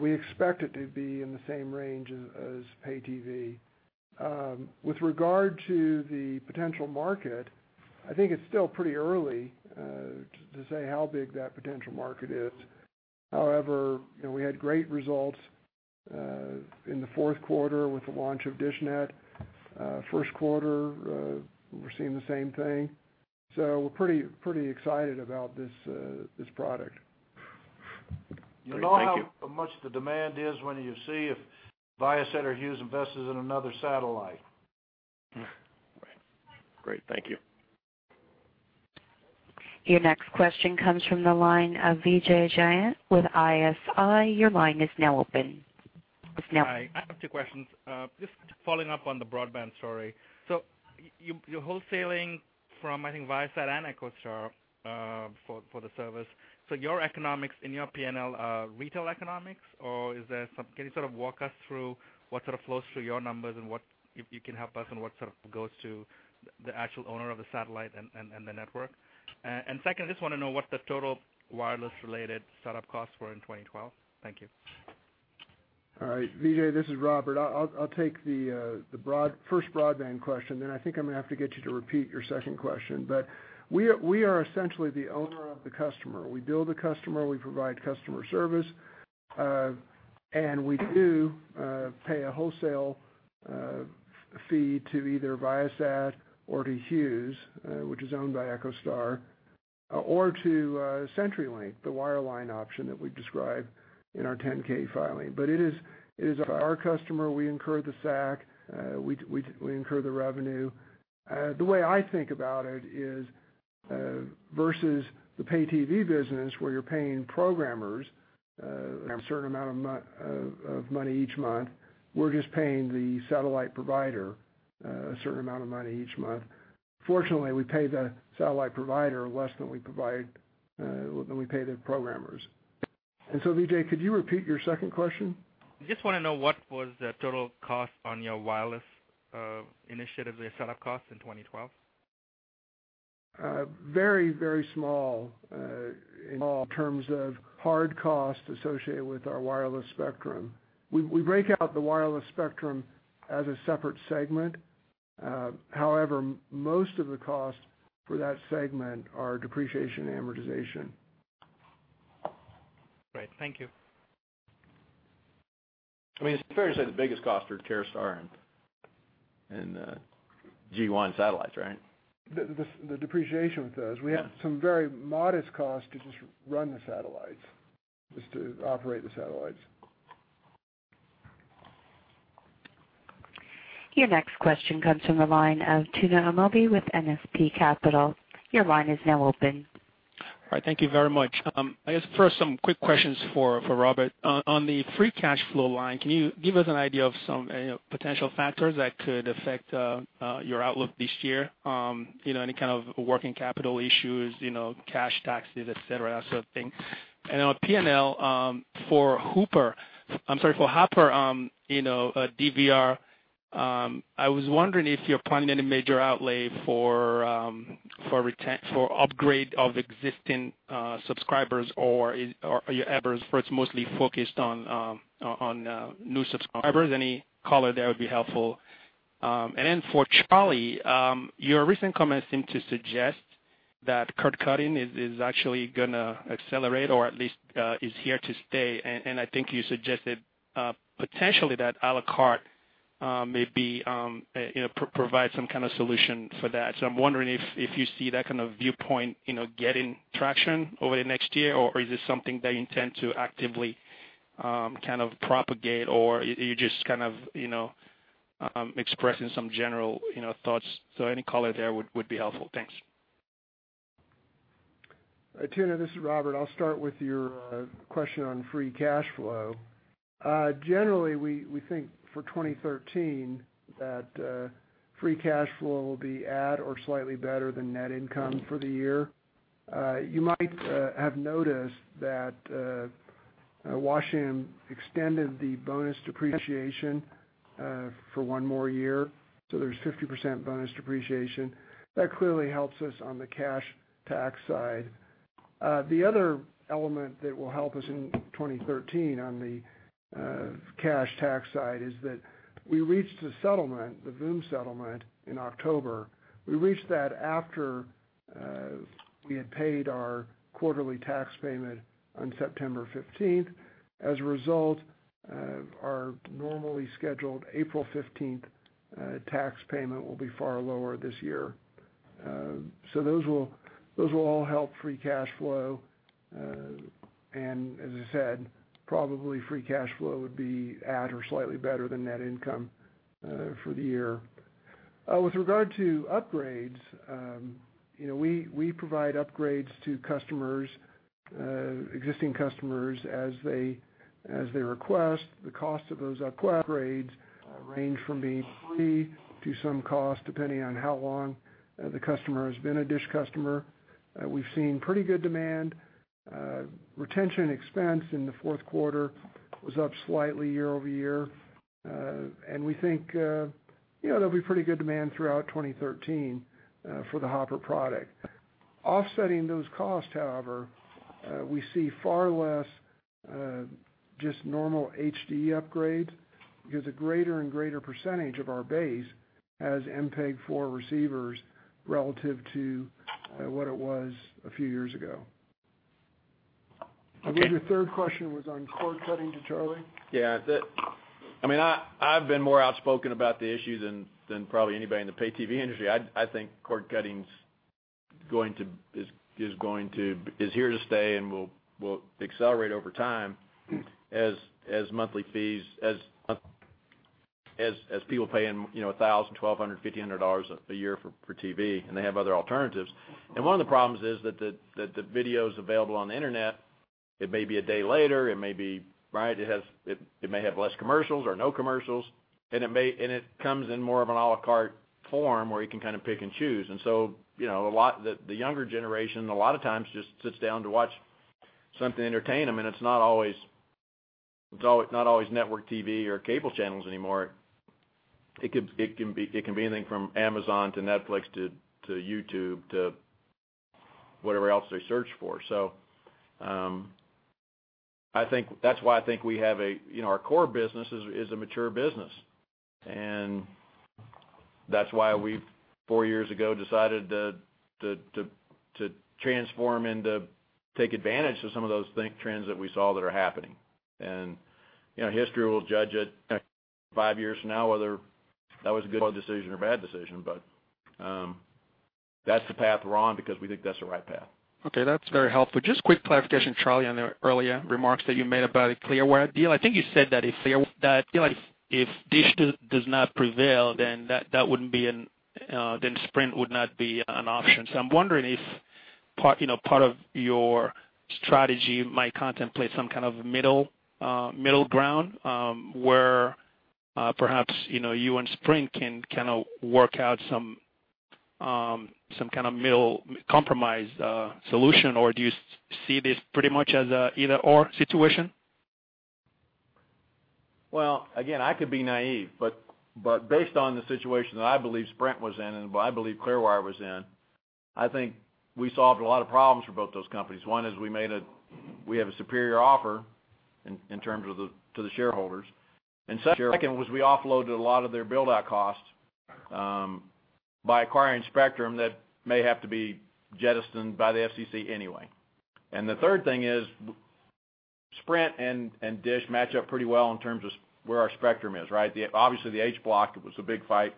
we expect it to be in the same range as pay TV. With regard to the potential market, I think it's still pretty early to say how big that potential market is. You know, we had great results in the fourth quarter with the launch of dishNET. First quarter, we're seeing the same thing. We're pretty excited about this product. Great. Thank you. You'll know how much the demand is when you see if Viasat or Hughes invested in another satellite. Right. Great. Thank you. Your next question comes from the line of Vijay Jayant with ISI. Your line is now open. Hi. I have two questions. Just following up on the broadband story. You're wholesaling from, I think, Viasat and EchoStar for the service. Your economics in your P&L are retail economics or is there some? Can you sort of walk us through what sort of flows through your numbers and what, if you can help us on what sort of goes to the actual owner of the satellite and the network? Second, I just want to know what the total wireless related startup costs were in 2012. Thank you. All right. Vijay, this is Robert. I'll take the first broadband question, then I think I'm gonna have to get you to repeat your second question. We are essentially the owner of the customer. We bill the customer, we provide customer service, and we do pay a wholesale fee to either Viasat or to Hughes, which is owned by EchoStar, or to CenturyLink, the wireline option that we describe in our 10-K filing. It is our customer. We incur the SAC, we incur the revenue. The way I think about it is, versus the pay TV business where you're paying programmers a certain amount of money each month. We're just paying the satellite provider a certain amount of money each month. Fortunately, we pay the satellite provider less than we provide, than we pay the programmers. Vijay, could you repeat your second question? Just wanna know what was the total cost on your wireless initiative, the set-up cost in 2012? Very, very small in terms of hard costs associated with our wireless spectrum. We break out the wireless spectrum as a separate segment. However, most of the costs for that segment are depreciation amortization. Right. Thank you. I mean, it's fair to say the biggest costs are Viasat and G1 satellites, right? The depreciation with those. Yeah. We have some very modest costs to just run the satellites, just to operate the satellites. Your next question comes from the line of Tuna Amobi with S&P Capital. Your line is now open. All right, thank you very much. I guess first some quick questions for Robert. On the free cash flow line, can you give us an idea of some, you know, potential factors that could affect your outlook this year? You know, any kind of working capital issues, you know, cash taxes, et cetera, that sort of thing. On P&L, for Hopper I'm sorry, for Hopper, you know, DVR, I was wondering if you're planning any major outlay for for upgrade of existing subscribers or is, or are your efforts mostly focused on on new subscribers? Any color there would be helpful. For Charlie, your recent comments seem to suggest that cord cutting is actually gonna accelerate or at least is here to stay. I think you suggested, potentially that a la carte may be, you know, provide some kinda solution for that. I'm wondering if you see that kind of viewpoint, you know, getting traction over the next year or is this something that you intend to actively, kind of propagate, or you just kind of, you know, expressing some general, you know, thoughts. Any color there would be helpful. Thanks. Tuna, this is Robert. I'll start with your question on free cash flow. Generally we think for 2013 that free cash flow will be at or slightly better than net income for the year. You might have noticed that Washington extended the bonus depreciation for one more year, so there's 50% bonus depreciation. That clearly helps us on the cash tax side. The other element that will help us in 2013 on the cash tax side is that we reached a settlement, the VOOM settlement in October. We reached that after we had paid our quarterly tax payment on September 15th. As a result, our normally scheduled April 15th tax payment will be far lower this year. So those will all help free cash flow. As I said, probably free cash flow would be at or slightly better than net income for the year. With regard to upgrades, you know, we provide upgrades to customers, existing customers as they request. The cost of those upgrades range from being free to some cost, depending on how long the customer has been a DISH customer. We've seen pretty good demand. Retention expense in the fourth quarter was up slightly year-over-year. We think, you know, there'll be pretty good demand throughout 2013 for the Hopper product. Offsetting those costs, however, we see far less just normal HD upgrades because a greater and greater percentage of our base has MPEG-4 receivers relative to what it was a few years ago. Okay. I believe your third question was on cord cutting to Charlie? Yeah. I mean, I've been more outspoken about the issue than probably anybody in the pay TV industry. I think cord cutting's going to, is here to stay and will accelerate over time as monthly fees, as people paying, you know, $1,000, $1,200, $1,500 a year for TV, and they have other alternatives. One of the problems is that the video's available on the Internet, it may be a day later, it may be Right? It has, it may have less commercials or no commercials. It comes in more of an a la carte form where you can kinda pick and choose. You know, a lot The, the younger generation, a lot of times just sits down to watch something to entertain them, and it's not always network TV or cable channels anymore. It can be anything from Amazon to Netflix to YouTube to whatever else they search for. I think that's why I think we have a You know, our core business is a mature business. That's why we, 4 years ago, decided to transform and to take advantage of some of those trends that we saw that are happening. You know, history will judge it 5 years from now, whether that was a good decision or bad decision. That's the path we're on because we think that's the right path. Okay, that's very helpful. Just quick clarification, Charlie, on the earlier remarks that you made about the Clearwire deal. I think you said that if DISH does not prevail, then Sprint would not be an option. I'm wondering if part, you know, part of your strategy might contemplate some kind of middle ground where perhaps, you know, you and Sprint can kinda work out some kinda middle compromise solution, or do you see this pretty much as an either/or situation? Again, I could be naive, but based on the situation that I believe Sprint was in and what I believe Clearwire was in, I think we solved a lot of problems for both those companies. One is we have a superior offer in terms of the, to the shareholders. Second was we offloaded a lot of their build-out costs, by acquiring spectrum that may have to be jettisoned by the FCC anyway. The third thing is Sprint and DISH match up pretty well in terms of where our spectrum is, right? Obviously, the H Block was the big fight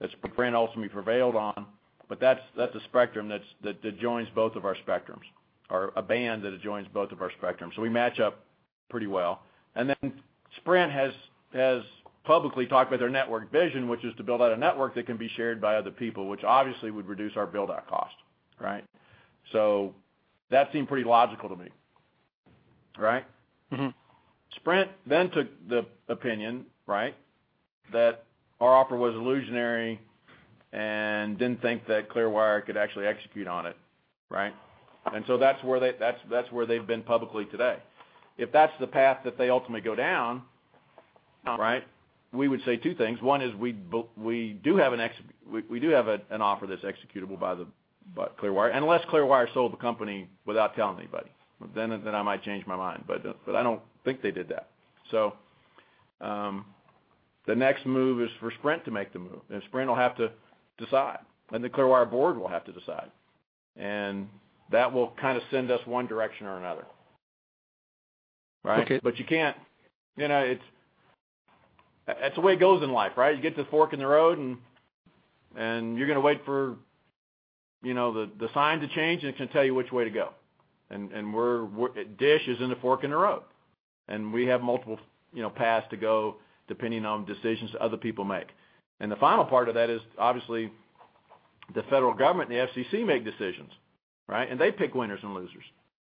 that Sprint ultimately prevailed on, but that's a spectrum that joins both of our spectrums or a band that adjoins both of our spectrums. We match up pretty well. Sprint has publicly talked about their network vision, which is to build out a network that can be shared by other people, which obviously would reduce our build-out cost, right? That seemed pretty logical to me, right? Sprint took the opinion, right, that our offer was illusory and didn't think that Clearwire could actually execute on it, right? That's where they've been publicly today. If that's the path that they ultimately go down, right, we would say two things. One is we do have an offer that's executable by Clearwire, unless Clearwire sold the company without telling anybody. Then I might change my mind, but I don't think they did that. The next move is for Sprint to make the move, and Sprint will have to decide, and the Clearwire board will have to decide. That will kinda send us one direction or another, right? Okay. You know, it's, that's the way it goes in life, right? You get to the fork in the road, and you're gonna wait for, you know, the sign to change, and it's gonna tell you which way to go. DISH is in the fork in the road, and we have multiple, you know, paths to go depending on decisions that other people make. The final part of that is, obviously, the federal government and the FCC make decisions, right? They pick winners and losers,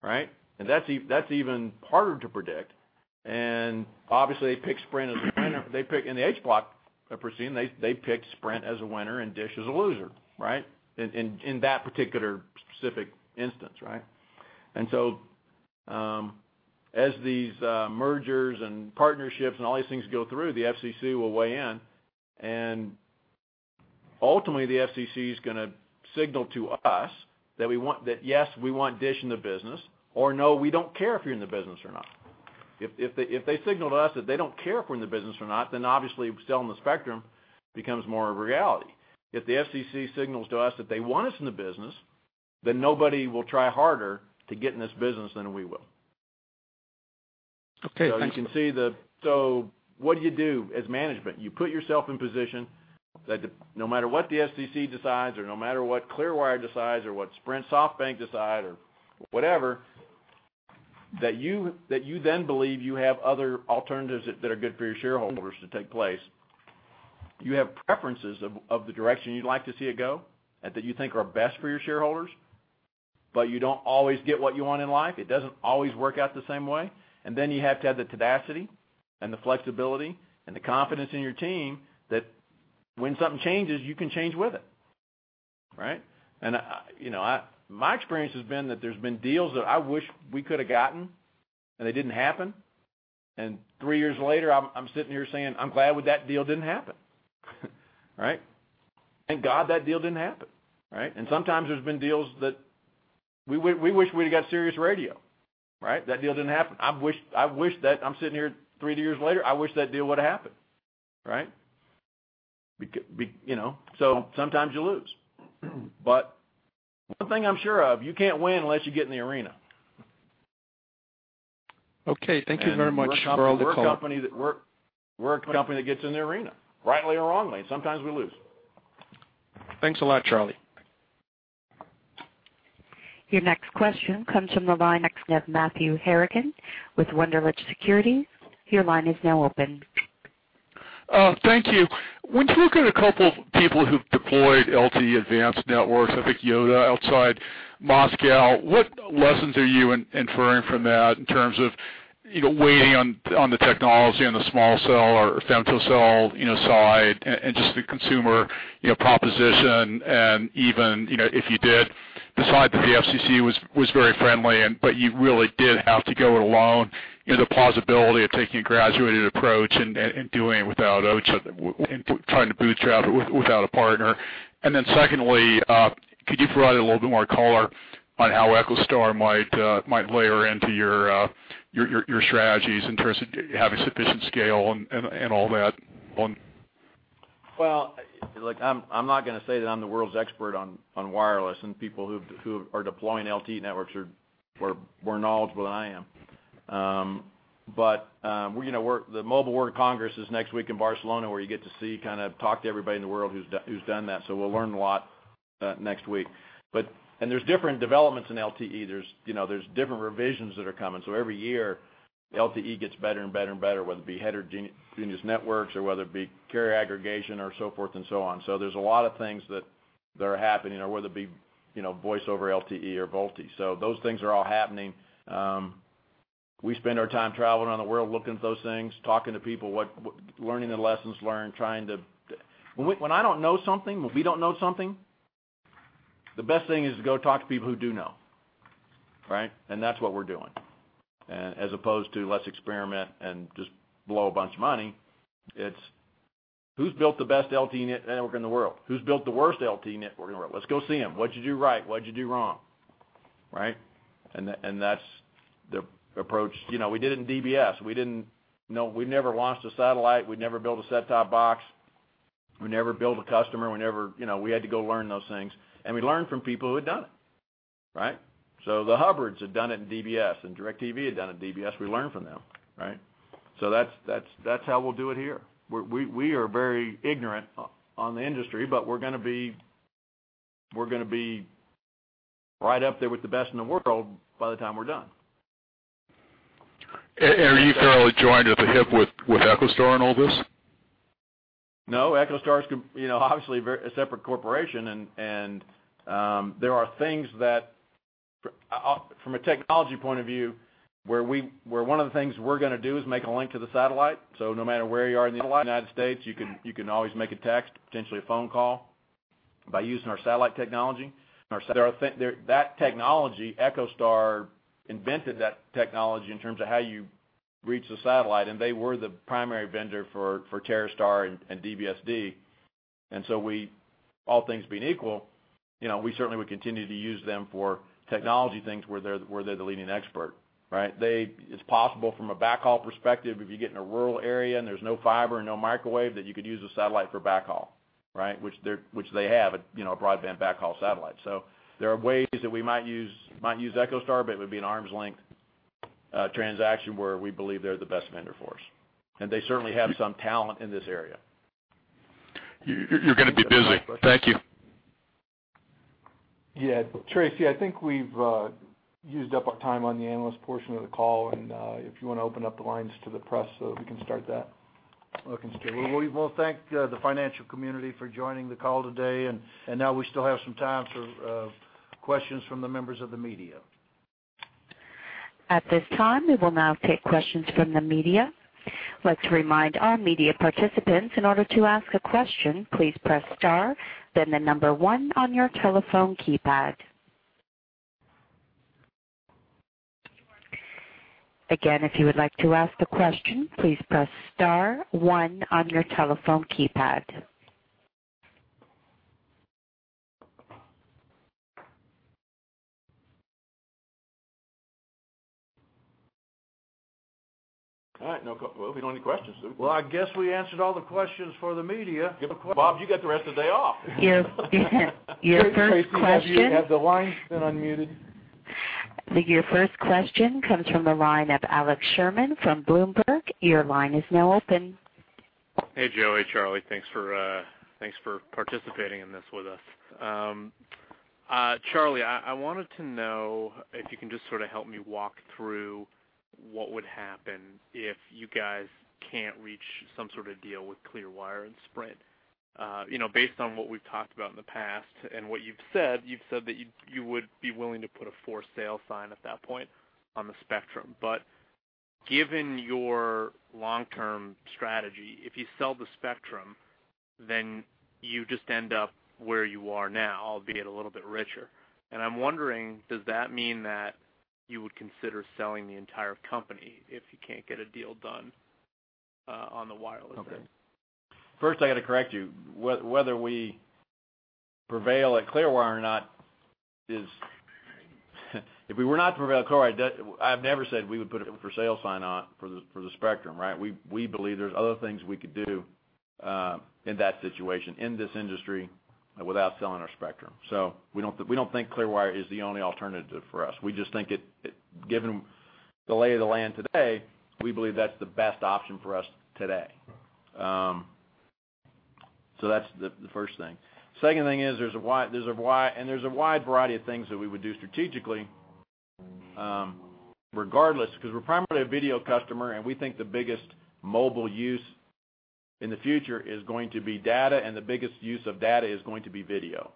right? That's even harder to predict. Obviously, they picked Sprint as the winner. They picked in the H Block, I presume, they picked Sprint as a winner and DISH as a loser, right? In that particular specific instance, right? As the se mergers and partnerships and all these things go through, the FCC will weigh in. Ultimately, the FCC is going to signal to us that, yes, we want DISH in the business, or, no, we don't care if you're in the business or not. If they signal to us that they don't care if we're in the business or not, obviously selling the spectrum becomes more a reality. If the FCC signals to us that they want us in the business, nobody will try harder to get in this business than we will. Okay, thank you. You can see the So what do you do as management? You put yourself in position that no matter what the FCC decides or no matter what Clearwire decides or what Sprint, SoftBank decide or whatever, that you then believe you have other alternatives that are good for your shareholders to take place. You have preferences of the direction you'd like to see it go and that you think are best for your shareholders, but you don't always get what you want in life. It doesn't always work out the same way. Then you have to have the tenacity and the flexibility and the confidence in your team that when something changes, you can change with it, right? You know, my experience has been that there's been deals that I wish we could have gotten, and they didn't happen. Three years later, I'm sitting here saying, "I'm glad that deal didn't happen." Right? Thank God that deal didn't happen, right? Sometimes there's been deals that we wish we'd have got Sirius Radio, right? That deal didn't happen. I wish that I'm sitting here three years later, I wish that deal would've happened, right? Be, you know. Sometimes you lose. One thing I'm sure of, you can't win unless you get in the arena. Okay. Thank you very much for all the color. We're a company that gets in the arena, rightly or wrongly. Sometimes we lose. Thanks a lot, Charlie. Your next question comes from the line of Matthew Harrigan with Wunderlich Securities. Your line is now open. Thank you. When you look at a couple people who've deployed LTE Advanced networks, I think Yota outside Moscow, what lessons are you inferring from that in terms of, you know, waiting on the technology and the small cell or femtocell, you know, side and just the consumer, you know, proposition and even, you know, if you did decide that the FCC was very friendly and, but you really did have to go it alone, you know, the plausibility of taking a graduated approach and doing it without trying to bootstrap it without a partner. Secondly, could you provide a little bit more color on how EchoStar might layer into your strategies in terms of having sufficient scale and all that on? Well, look, I'm not gonna say that I'm the world's expert on wireless, and people who are deploying LTE networks were knowledgeable than I am. The Mobile World Congress is next week in Barcelona, where you get to see, kind of talk to everybody in the world who's done that. We'll learn a lot next week. There's different developments in LTE. There's, you know, there's different revisions that are coming. Every year, LTE gets better and better and better, whether it be heterogeneous networks or whether it be carrier aggregation or so forth and so on. There's a lot of things that are happening or whether it be, you know, voice over LTE or VoLTE. Those things are all happening, We spend our time traveling around the world looking at those things, talking to people, learning the lessons learned, trying to when I don't know something, when we don't know something, the best thing is to go talk to people who do know, right? That's what we're doing. As opposed to let's experiment and just blow a bunch of money, it's who's built the best LTE network in the world? Who's built the worst LTE network in the world? Let's go see them. What'd you do right? What'd you do wrong, right? That's the approach. You know, we did it in DBS. We didn't know. We never launched a satellite. We never built a set-top box. We never built a customer. We never, you know, we had to go learn those things, and we learned from people who had done it, right? The Hubbards had done it in DBS, and DirecTV had done it in DBS. We learned from them, right? That's how we'll do it here. We are very ignorant on the industry, but we're gonna be right up there with the best in the world by the time we're done. Are you fairly joined at the hip with EchoStar in all this? No, EchoStar's, you know, obviously a very separate corporation, and there are things that from a technology point of view where one of the things we're gonna do is make a link to the satellite. No matter where you are in the U.S., you can always make a text, potentially a phone call by using our satellite technology. That technology, EchoStar invented that technology in terms of how you reach the satellite, and they were the primary vendor for TerreStar and DBSD. All things being equal, you know, we certainly would continue to use them for technology things where they're the leading expert, right? It's possible from a backhaul perspective, if you get in a rural area, and there's no fiber and no microwave, that you could use a satellite for backhaul, right, which they have, you know, a broadband backhaul satellite. There are ways that we might use EchoStar, but it would be an arm's length transaction where we believe they're the best vendor for us. They certainly have some talent in this area. You're gonna be busy. Thank you. Yeah. Tracy, I think we've used up our time on the analyst portion of the call, and if you wanna open up the lines to the press so that we can start that. Looking through. We wanna thank the financial community for joining the call today, and now we still have some time for questions from the members of the media. At this time, we will now take questions from the media. Let's remind our media participants, in order to ask a question, please press star, then the number one on your telephone keypad. Again, if you would like to ask a question, please press star one on your telephone keypad. All right. Well, if we don't have any questions then. Well, I guess we answered all the questions for the media. Give a. Bob, you get the rest of the day off. Your first question. Tracy, have the lines been unmuted? Your first question comes from the line of Alex Sherman from Bloomberg. Hey, Joe. Charlie, thanks for thanks for participating in this with us. Charlie, I wanted to know if you can just sort of help me walk through what would happen if you guys can't reach some sort of deal with Clearwire and Sprint. You know, based on what we've talked about in the past and what you've said, you would be willing to put a for sale sign at that point on the spectrum. Given your long-term strategy, if you sell the spectrum, then you just end up where you are now, albeit a little bit richer. I'm wondering, does that mean that you would consider selling the entire company if you can't get a deal done on the wireless end? Okay. First, I got to correct you. If we were not to prevail at Clearwire, I've never said we would put a for sale sign on for the, for the spectrum, right? We believe there's other things we could do in that situation, in this industry without selling our spectrum. We don't think Clearwire is the only alternative for us. We just think given the lay of the land today, we believe that's the best option for us today. That's the first thing. Second thing is there's a wide variety of things that we would do strategically, regardless, 'cause we're primarily a video customer. We think the biggest mobile use in the future is going to be data. The biggest use of data is going to be video.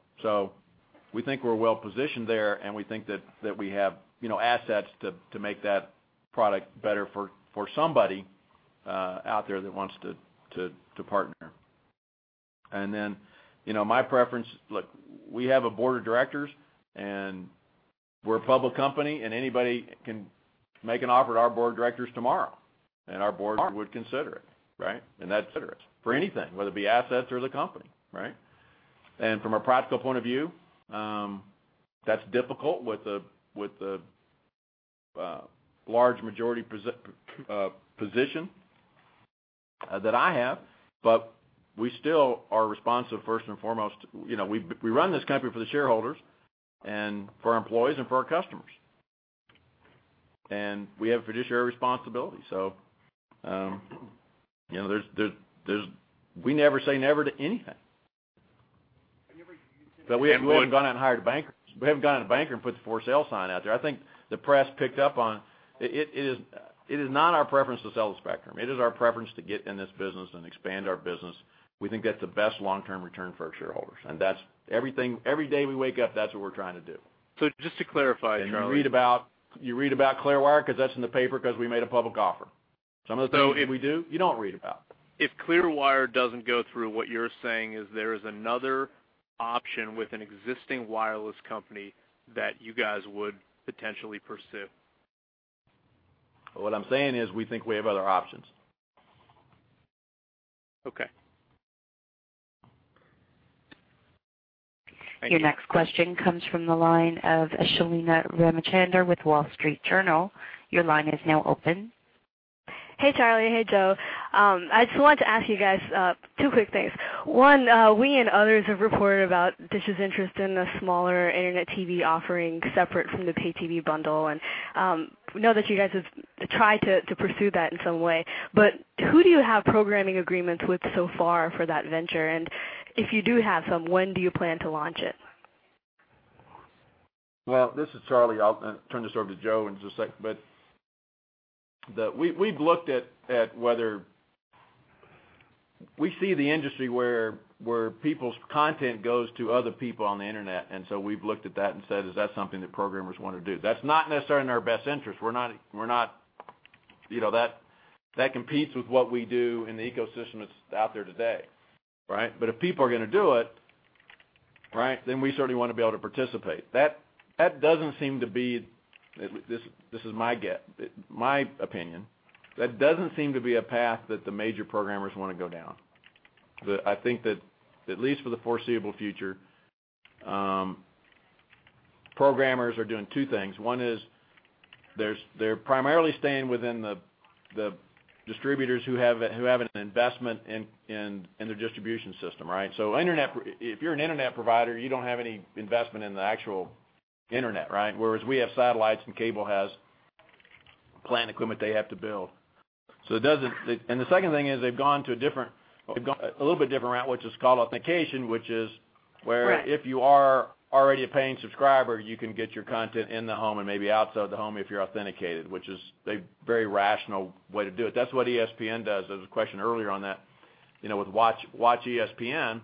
We think we're well-positioned there, and we think that we have, you know, assets to make that product better for somebody out there that wants to partner. You know, my preference. Look, we have a board of directors. We're a public company. Anybody can make an offer to our board of directors tomorrow. Our board would consider it, right? That's for anything, whether it be assets or the company, right? From a practical point of view, that's difficult with the large majority position that I have. We still are responsive, first and foremost. You know, we run this company for the shareholders and for our employees and for our customers. We have a fiduciary responsibility. You know, we never say never to anything. We haven't gone out and hired a banker. We haven't gone to a banker and put the for sale sign out there. I think the press picked up on it. It is not our preference to sell the spectrum. It is our preference to get in this business and expand our business. We think that's the best long-term return for our shareholders. That's everything. Every day we wake up, that's what we're trying to do. Just to clarify, Charlie. You read about Clearwire 'cause that's in the paper 'cause we made a public offer. Some of the things we do, you don't read about. If Clearwire doesn't go through, what you're saying is there is another option with an existing wireless company that you guys would potentially pursue? What I'm saying is, we think we have other options. Okay. Thank you. Your next question comes from the line of Shalini Ramachandran with The Wall Street Journal. Your line is now open. Hey, Charlie. Hey, Joe. I just wanted to ask you guys two quick things. One, we and others have reported about DISH's interest in a smaller internet TV offering separate from the pay TV bundle, know that you guys have tried to pursue that in some way. Who do you have programming agreements with so far for that venture? If you do have some, when do you plan to launch it? Well, this is Charlie. I'll turn this over to Joe in just a sec. We've looked at whether we see the industry where people's content goes to other people on the internet, we've looked at that and said, "Is that something that programmers wanna do?" That's not necessarily in our best interest. We're not, you know, that competes with what we do in the ecosystem that's out there today, right? If people are gonna do it, right, we certainly wanna be able to participate. That doesn't seem to be, this is my guess, my opinion, a path that the major programmers wanna go down. I think that at least for the foreseeable future, programmers are doing two things. One is they're primarily staying within the distributors who have an investment in their distribution system, right? If you're an internet provider, you don't have any investment in the actual internet, right? Whereas we have satellites and cable has plant equipment they have to build. The second thing is they've gone a little bit different route, which is called authentication. Right You are already a paying subscriber, you can get your content in the home and maybe outside the home if you're authenticated, which is a very rational way to do it. That's what ESPN does. There was a question earlier on that, you know, with WatchESPN.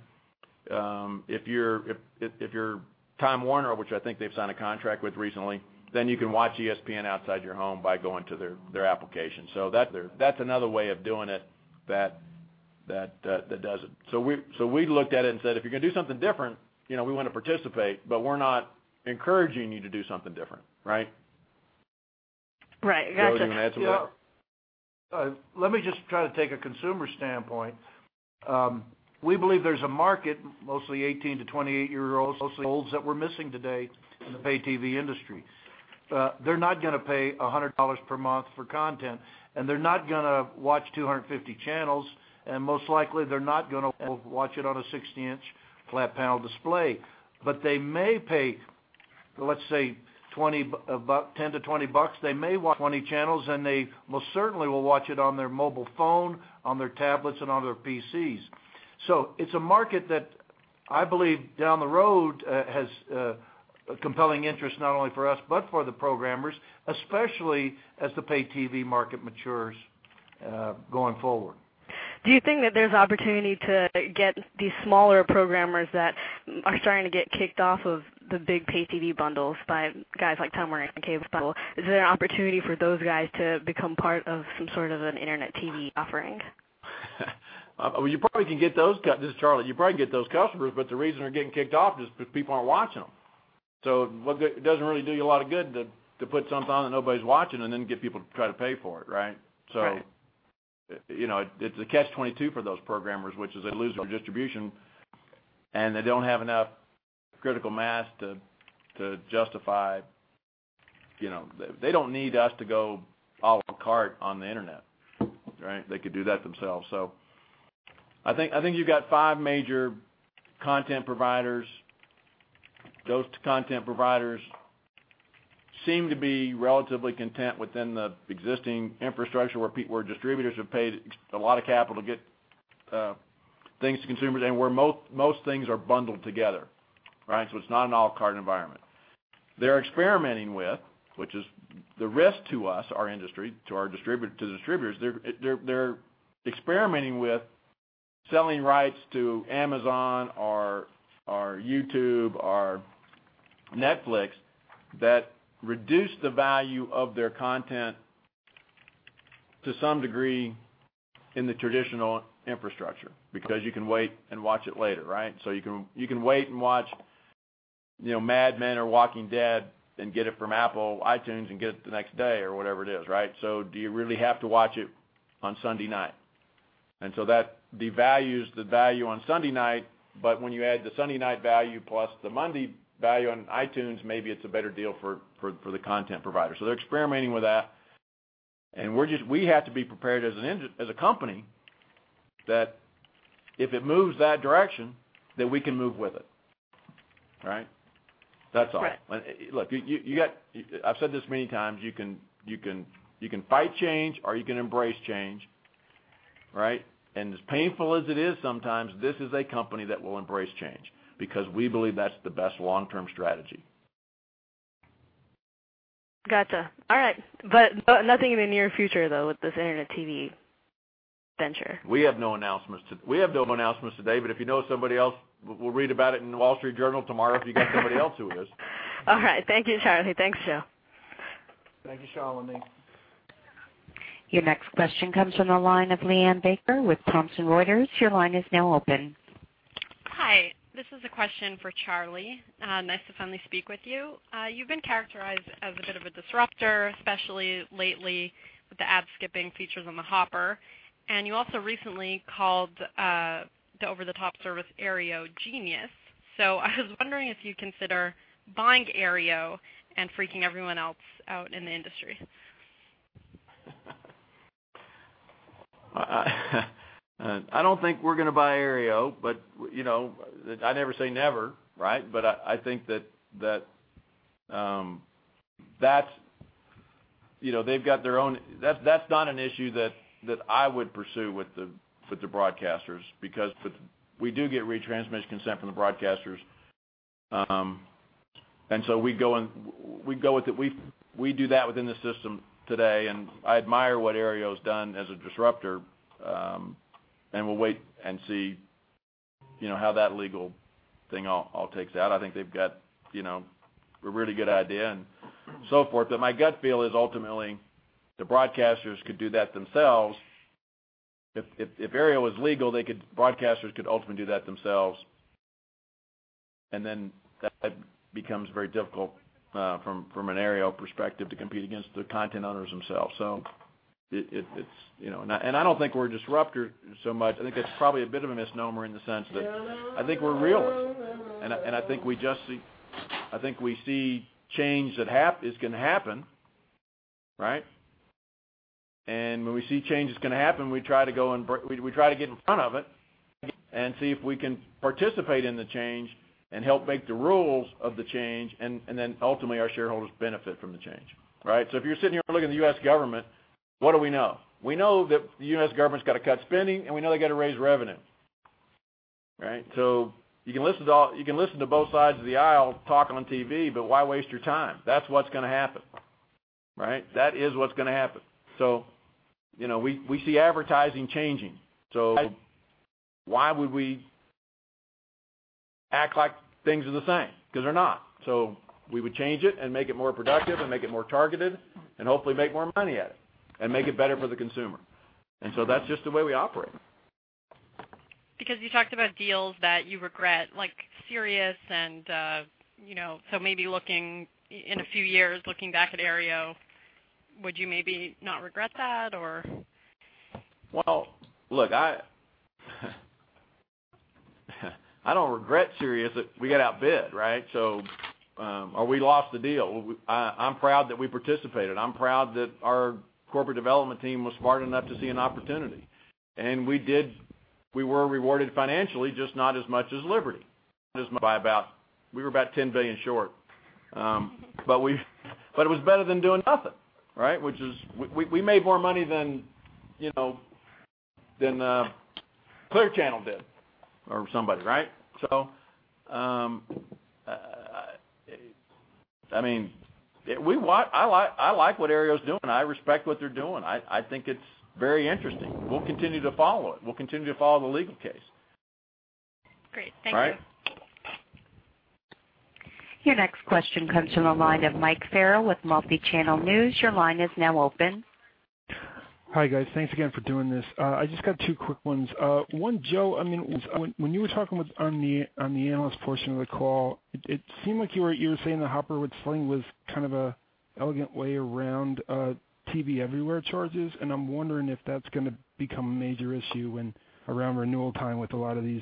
If you're Time Warner, which I think they've signed a contract with recently, then you can watch ESPN outside your home by going to their application. That's another way of doing it that does it. We looked at it and said, "If you're gonna do something different, you know, we wanna participate, but we're not encouraging you to do something different," right? Right. Gotcha. Joe, you wanna add something to that? Let me just try to take a consumer standpoint. We believe there's a market, mostly 18-28-year-olds, that we're missing today in the pay TV industry. They're not gonna pay $100 per month for content, they're not gonna watch 250 channels, most likely they're not gonna watch it on a 60-inch flat panel display. They may pay, let's say $10-$20. They may watch 20 channels, they most certainly will watch it on their mobile phone, on their tablets, and on their PCs. It's a market that I believe down the road, has a compelling interest, not only for us, but for the programmers, especially as the pay TV market matures, going forward. Do you think that there's opportunity to get these smaller programmers that are starting to get kicked off of the big pay TV bundles by guys like Time Warner Cable? Is there an opportunity for those guys to become part of some sort of an internet TV offering? This is Charlie. You probably can get those customers, but the reason they're getting kicked off is because people aren't watching them. What good it doesn't really do you a lot of good to put something on that nobody's watching and then get people to try to pay for it, right? Right. You know, it's a catch 22 for those programmers, which is they lose their distribution, and they don't have enough critical mass to justify, you know. They don't need us to go a la carte on the internet, right? They could do that themselves. I think you've got 5 major content providers. Those content providers seem to be relatively content within the existing infrastructure where distributors have paid a lot of capital to get things to consumers and where most things are bundled together, right? It's not an a la carte environment. They're experimenting with, which is the risk to us, our industry, to the distributors, they're experimenting with selling rights to Amazon or YouTube or Netflix that reduce the value of their content to some degree in the traditional infrastructure, because you can wait and watch it later, right? You can wait and watch, you know, Mad Men or The Walking Dead and get it from Apple, iTunes and get it the next day or whatever it is, right? Do you really have to watch it on Sunday night? That devalues the value on Sunday night, but when you add the Sunday night value plus the Monday value on iTunes, maybe it's a better deal for the content provider. They're experimenting with that, and we're just we have to be prepared as a company that if it moves that direction, that we can move with it, right? That's all. Right. Look, you got I've said this many times, you can fight change or you can embrace change, right? As painful as it is sometimes, this is a company that will embrace change because we believe that's the best long-term strategy. Gotcha. All right. Nothing in the near future, though, with this internet TV? We have no announcements today, but if you know somebody else, we'll read about it in The Wall Street Journal tomorrow, if you got somebody else who is. All right. Thank you, Charlie. Thanks, Joe. Thank you, Shalini Ramachandran. Your next question comes from the line of Liana Baker with Thomson Reuters. Your line is now open. Hi, this is a question for Charlie. Nice to finally speak with you. You've been characterized as a bit of a disruptor, especially lately with the ad skipping features on the Hopper, and you also recently called the over-the-top service Aereo genius. I was wondering if you consider buying Aereo and freaking everyone else out in the industry? I don't think we're gonna buy Aereo, but, you know, I never say never, right? I think that's You know, they've got their own That's not an issue that I would pursue with the broadcasters because We do get retransmission consent from the broadcasters. We go with it. We do that within the system today, and I admire what Aereo's done as a disruptor, and we'll wait and see, you know, how that legal thing all shakes out. I think they've got, you know, a really good idea and so forth. My gut feel is ultimately the broadcasters could do that themselves. If Aereo was legal, they could broadcasters could ultimately do that themselves, and then that becomes very difficult from an Aereo perspective to compete against the content owners themselves. It's, you know I don't think we're a disruptor so much. I think that's probably a bit of a misnomer in the sense that I think we're realists. I think we just see I think we see change that is gonna happen, right? When we see change is gonna happen, we try to go and we try to get in front of it and see if we can participate in the change and help make the rules of the change and then ultimately our shareholders benefit from the change, right? If you're sitting here looking at the U.S. government, what do we know? We know that the U.S. government's got to cut spending, and we know they've got to raise revenue, right? You can listen to both sides of the aisle talking on TV, but why waste your time? That's what's gonna happen, right? That is what's gonna happen. You know, we see advertising changing, so why would we act like things are the same? 'Cause they're not. We would change it and make it more productive and make it more targeted and hopefully make more money at it and make it better for the consumer. That's just the way we operate. You talked about deals that you regret, like Sirius and, you know. Maybe looking, in a few years, looking back at Aereo, would you maybe not regret that or? Well, look, I don't regret Sirius. We got outbid, right? Or we lost the deal. I'm proud that we participated. I'm proud that our corporate development team was smart enough to see an opportunity. We were rewarded financially, just not as much as Liberty by about We were about $10 billion short. But it was better than doing nothing, right? Which is We made more money than, you know, than Clear Channel did or somebody, right? I mean, I like what Aereo's doing. I respect what they're doing. I think it's very interesting. We'll continue to follow it. We'll continue to follow the legal case. Great. Thank you. All right. Your next question comes from the line of Mike Farrell with Multichannel News. Your line is now open. Hi, guys. Thanks again for doing this. I just got two quick ones. One, Joe, I mean, when you were talking on the analyst portion of the call, it seemed like you were saying the Hopper with Sling was kind of a elegant way around TV Everywhere charges, and I'm wondering if that's gonna become a major issue when around renewal time with a lot of these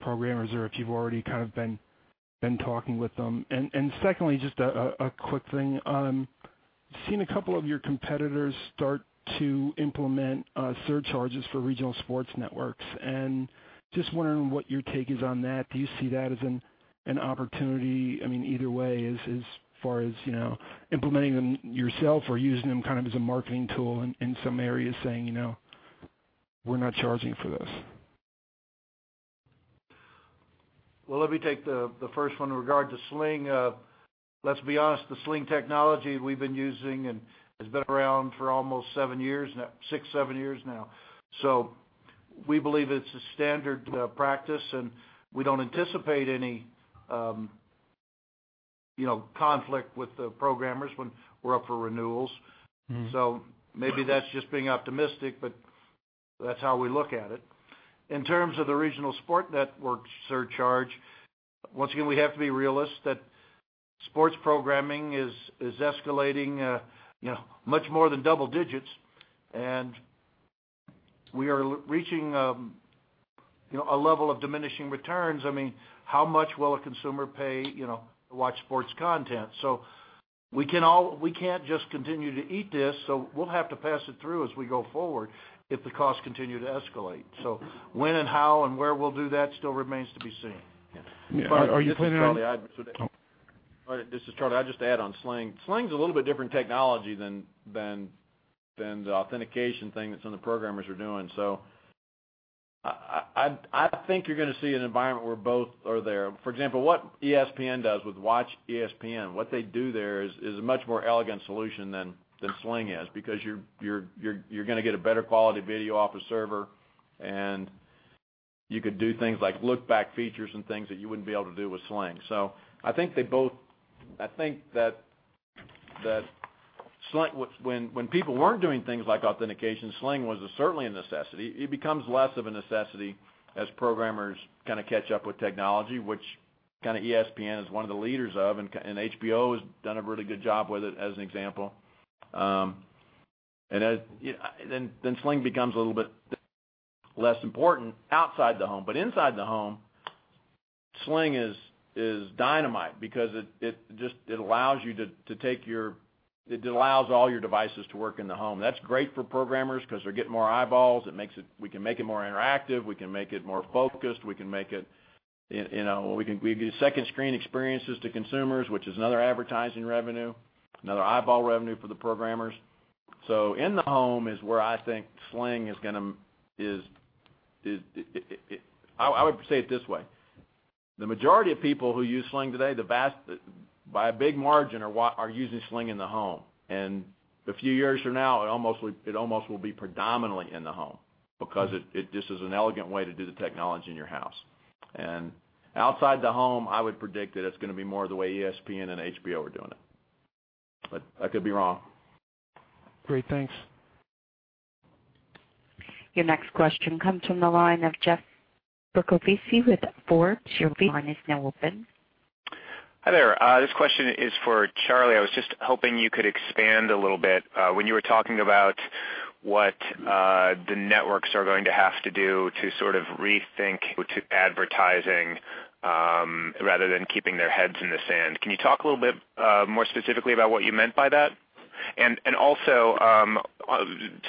programmers or if you've already kind of been talking with them. Secondly, just a quick thing. I've seen a couple of your competitors start to implement surcharges for regional sports networks, and just wondering what your take is on that. Do you see that as an opportunity? I mean, either way as far as, you know, implementing them yourself or using them kind of as a marketing tool in some areas, saying, you know, we're not charging for this. Well, let me take the first one. In regard to Sling, let's be honest, the Sling technology we've been using and has been around for almost seven years now, 6-7 years now. We believe it's a standard practice, and we don't anticipate any, you know, conflict with the programmers when we're up for renewals. Maybe that's just being optimistic, but that's how we look at it. In terms of the regional sport network surcharge, once again, we have to be realists that sports programming is escalating, you know, much more than double digits, and we are reaching, you know, a level of diminishing returns. I mean, how much will a consumer pay, you know, to watch sports content? We can't just continue to eat this, so we'll have to pass it through as we go forward if the costs continue to escalate. When and how and where we'll do that still remains to be seen. Yeah. Are you planning? This is Charlie. Oh. This is Charlie. I'd just add on Sling. Sling's a little bit different technology than the authentication thing that some of the programmers are doing. I think you're gonna see an environment where both are there. For example, what ESPN does with WatchESPN, what they do there is a much more elegant solution than Sling is because you're gonna get a better quality video off a server, and you could do things like look back features and things that you wouldn't be able to do with Sling. I think that Sling, when people weren't doing things like authentication, Sling was certainly a necessity. It becomes less of a necessity as programmers catch up with technology, which ESPN is one of the leaders of, HBO has done a really good job with it, as an example. Then Sling becomes a little bit less important outside the home. Inside the home, Sling is dynamite because it allows all your devices to work in the home. That's great for programmers 'cause they're getting more eyeballs. We can make it more interactive. We can make it more focused. We can make it, you know, We can give second screen experiences to consumers, which is another advertising revenue, another eyeball revenue for the programmers. In the home is where I think Sling is gonna, I would say it this way. The majority of people who use Sling today, the vast By a big margin, are using Sling in the home. A few years from now, it almost will be predominantly in the home because it just is an elegant way to do the technology in your house. Outside the home, I would predict that it's gonna be more the way ESPN and HBO are doing it. I could be wrong. Great. Thanks. Your next question comes from the line of Jeff Bercovici with Forbes. Your line is now open. Hi there. This question is for Charlie. I was just hoping you could expand a little bit, when you were talking about what the networks are going to have to do to sort of rethink advertising, rather than keeping their heads in the sand. Can you talk a little bit more specifically about what you meant by that? Also,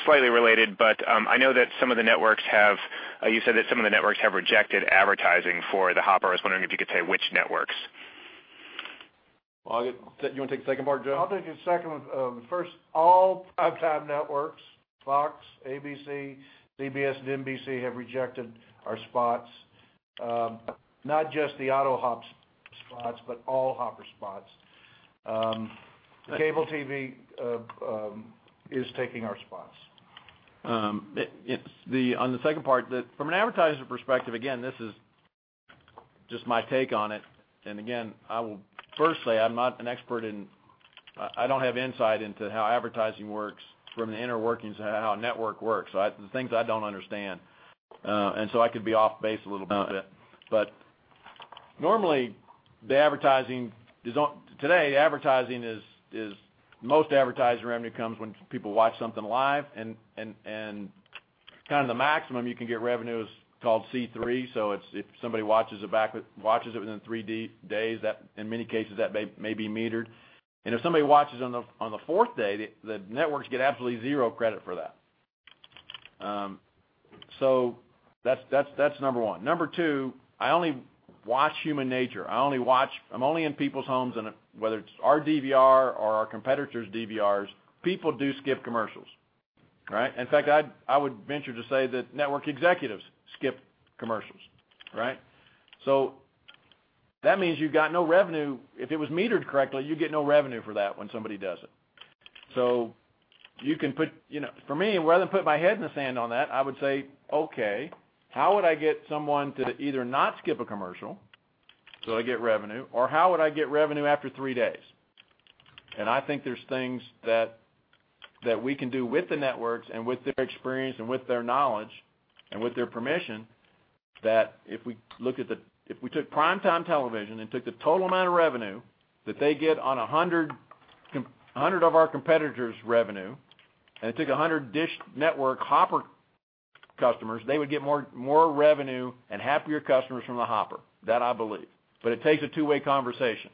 slightly related, but, You said that some of the networks have rejected advertising for the Hopper. I was wondering if you could say which networks. Well, Do you wanna take the second part, Joe? I'll take the second one. First, all primetime networks, Fox, ABC, CBS, and NBC have rejected our spots. Not just the AutoHop spots, but all Hopper spots. Cable TV is taking our spots. On the second part, from an advertiser perspective, again, this is just my take on it. I'm not an expert in how advertising works from the inner workings of how a network works. There's things I don't understand, I could be off base a little bit on it. Normally, the advertising is on. Today, advertising is, most advertising revenue comes when people watch something live. Kind of the maximum you can get revenue is called C3, so it's if somebody watches it back with watches it within 3 days, that, in many cases, that may be metered. If somebody watches on the fourth day, the networks get absolutely zero credit for that. That's number one. Number 2, I only watch human nature. I'm only in people's homes. Whether it's our DVR or our competitors' DVRs, people do skip commercials, right? In fact, I would venture to say that network executives skip commercials, right? That means you've got no revenue. If it was metered correctly, you get no revenue for that when somebody does it. You know, for me, rather than put my head in the sand on that, I would say, "Okay, how would I get someone to either not skip a commercial, so I get revenue, or how would I get revenue after 3 days?" I think there's things that we can do with the networks and with their experience and with their knowledge and with their permission, that if we look at the If we took primetime television and took the total amount of revenue that they get on 100 of our competitors' revenue, and took 100 DISH Network Hopper customers, they would get more revenue and happier customers from the Hopper. That I believe. It takes a 2-way conversation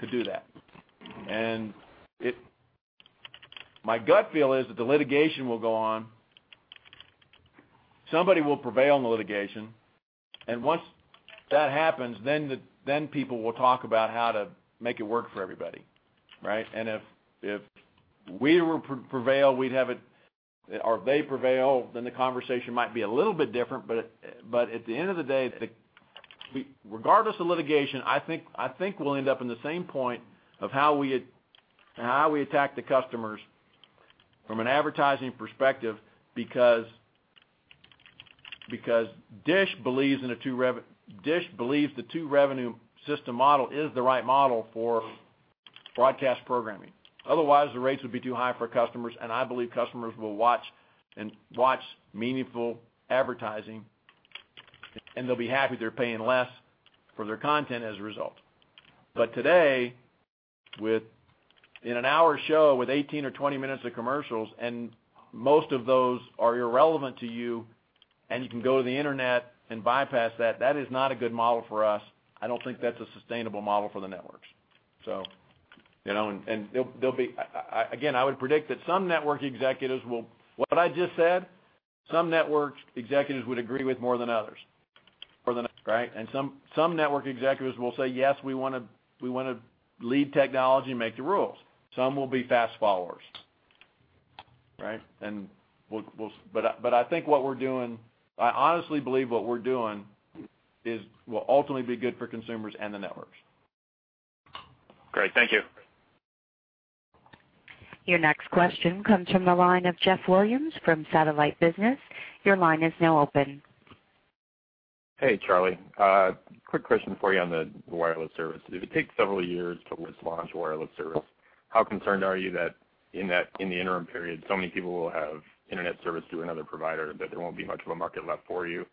to do that. My gut feel is that the litigation will go on. Somebody will prevail in the litigation. Once that happens, then people will talk about how to make it work for everybody, right? If we were prevail, we'd have it Or if they prevail, then the conversation might be a little bit different. At the end of the day, Regardless of litigation, I think we'll end up in the same point of how we attack the customers from an advertising perspective because DISH believes the two-revenue system model is the right model for broadcast programming. Otherwise, the rates would be too high for customers, and I believe customers will watch meaningful advertising, and they'll be happy they're paying less for their content as a result. Today, with an hour show with 18 or 20 minutes of commercials, and most of those are irrelevant to you, and you can go to the internet and bypass that is not a good model for us. I don't think that's a sustainable model for the networks. You know, and they'll be, I would predict that some network executives would agree with more than others. More than others, right? Some network executives will say, "Yes, we wanna lead technology and make the rules." Some will be fast followers, right? We'll, I think what we're doing, I honestly believe what we're doing is will ultimately be good for consumers and the networks. Great. Thank you. Your next question comes from the line of Jeff Williams from Satellite Business. Your line is now open. Hey, Charlie. Quick question for you on the wireless service. If it takes several years to launch wireless service, how concerned are you that in the interim period, so many people will have internet service through another provider that there won't be much of a market left for you?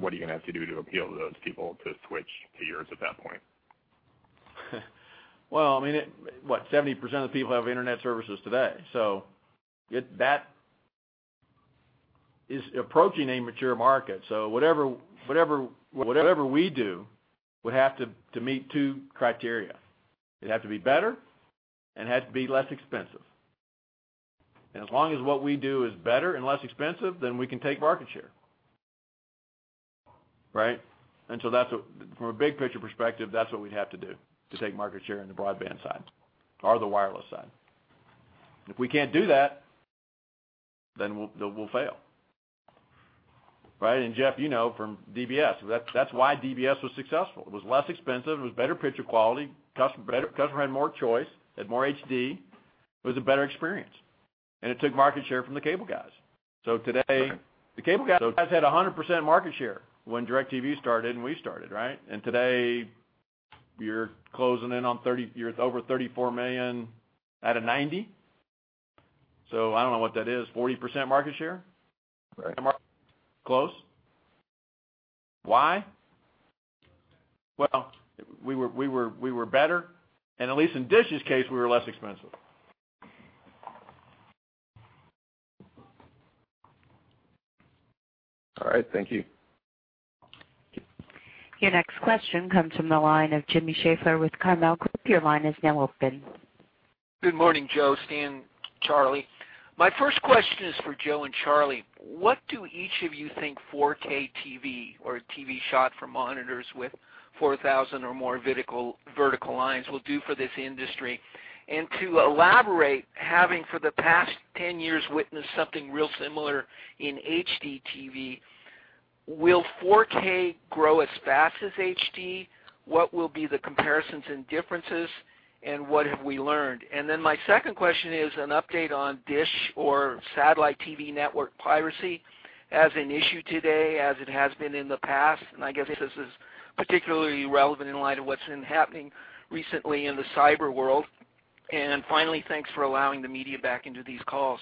What are you gonna have to do to appeal to those people to switch to yours at that point? Well, I mean, 70% of the people have internet services today, that is approaching a mature market. Whatever we do would have to meet two criteria. It'd have to be better and it had to be less expensive. As long as what we do is better and less expensive, then we can take market share, right? From a big picture perspective, that's what we'd have to do to take market share in the broadband side or the wireless side. If we can't do that, then we'll fail, right? Jeff, you know, from DBS, that's why DBS was successful. It was less expensive. It was better picture quality. Customer had more choice, had more HD. It was a better experience, and it took market share from the cable guys. Today, the cable guys had 100% market share when DirecTV started and we started, right? Today, you're closing in on over 34 million out of 90 million. I don't know what that is, 40% market share? Right. Close. Why? Well, we were better. At least in DISH's case, we were less expensive. All right. Thank you. Your next question comes from the line of Jimmy Schaeffler with The Carmel Group. Your line is now open. Good morning, Joe, Stan, Charlie. My first question is for Joe and Charlie. What do each of you think 4K TV or TV shot for monitors with 4,000 or more vertical lines will do for this industry? To elaborate, having for the past 10 years witnessed something real similar in HDTV, will 4K grow as fast as HD? What will be the comparisons and differences, what have we learned? My second question is an update on DISH or satellite TV network piracy as an issue today, as it has been in the past. I guess this is particularly relevant in light of what's been happening recently in the cyber world. Finally, thanks for allowing the media back into these calls.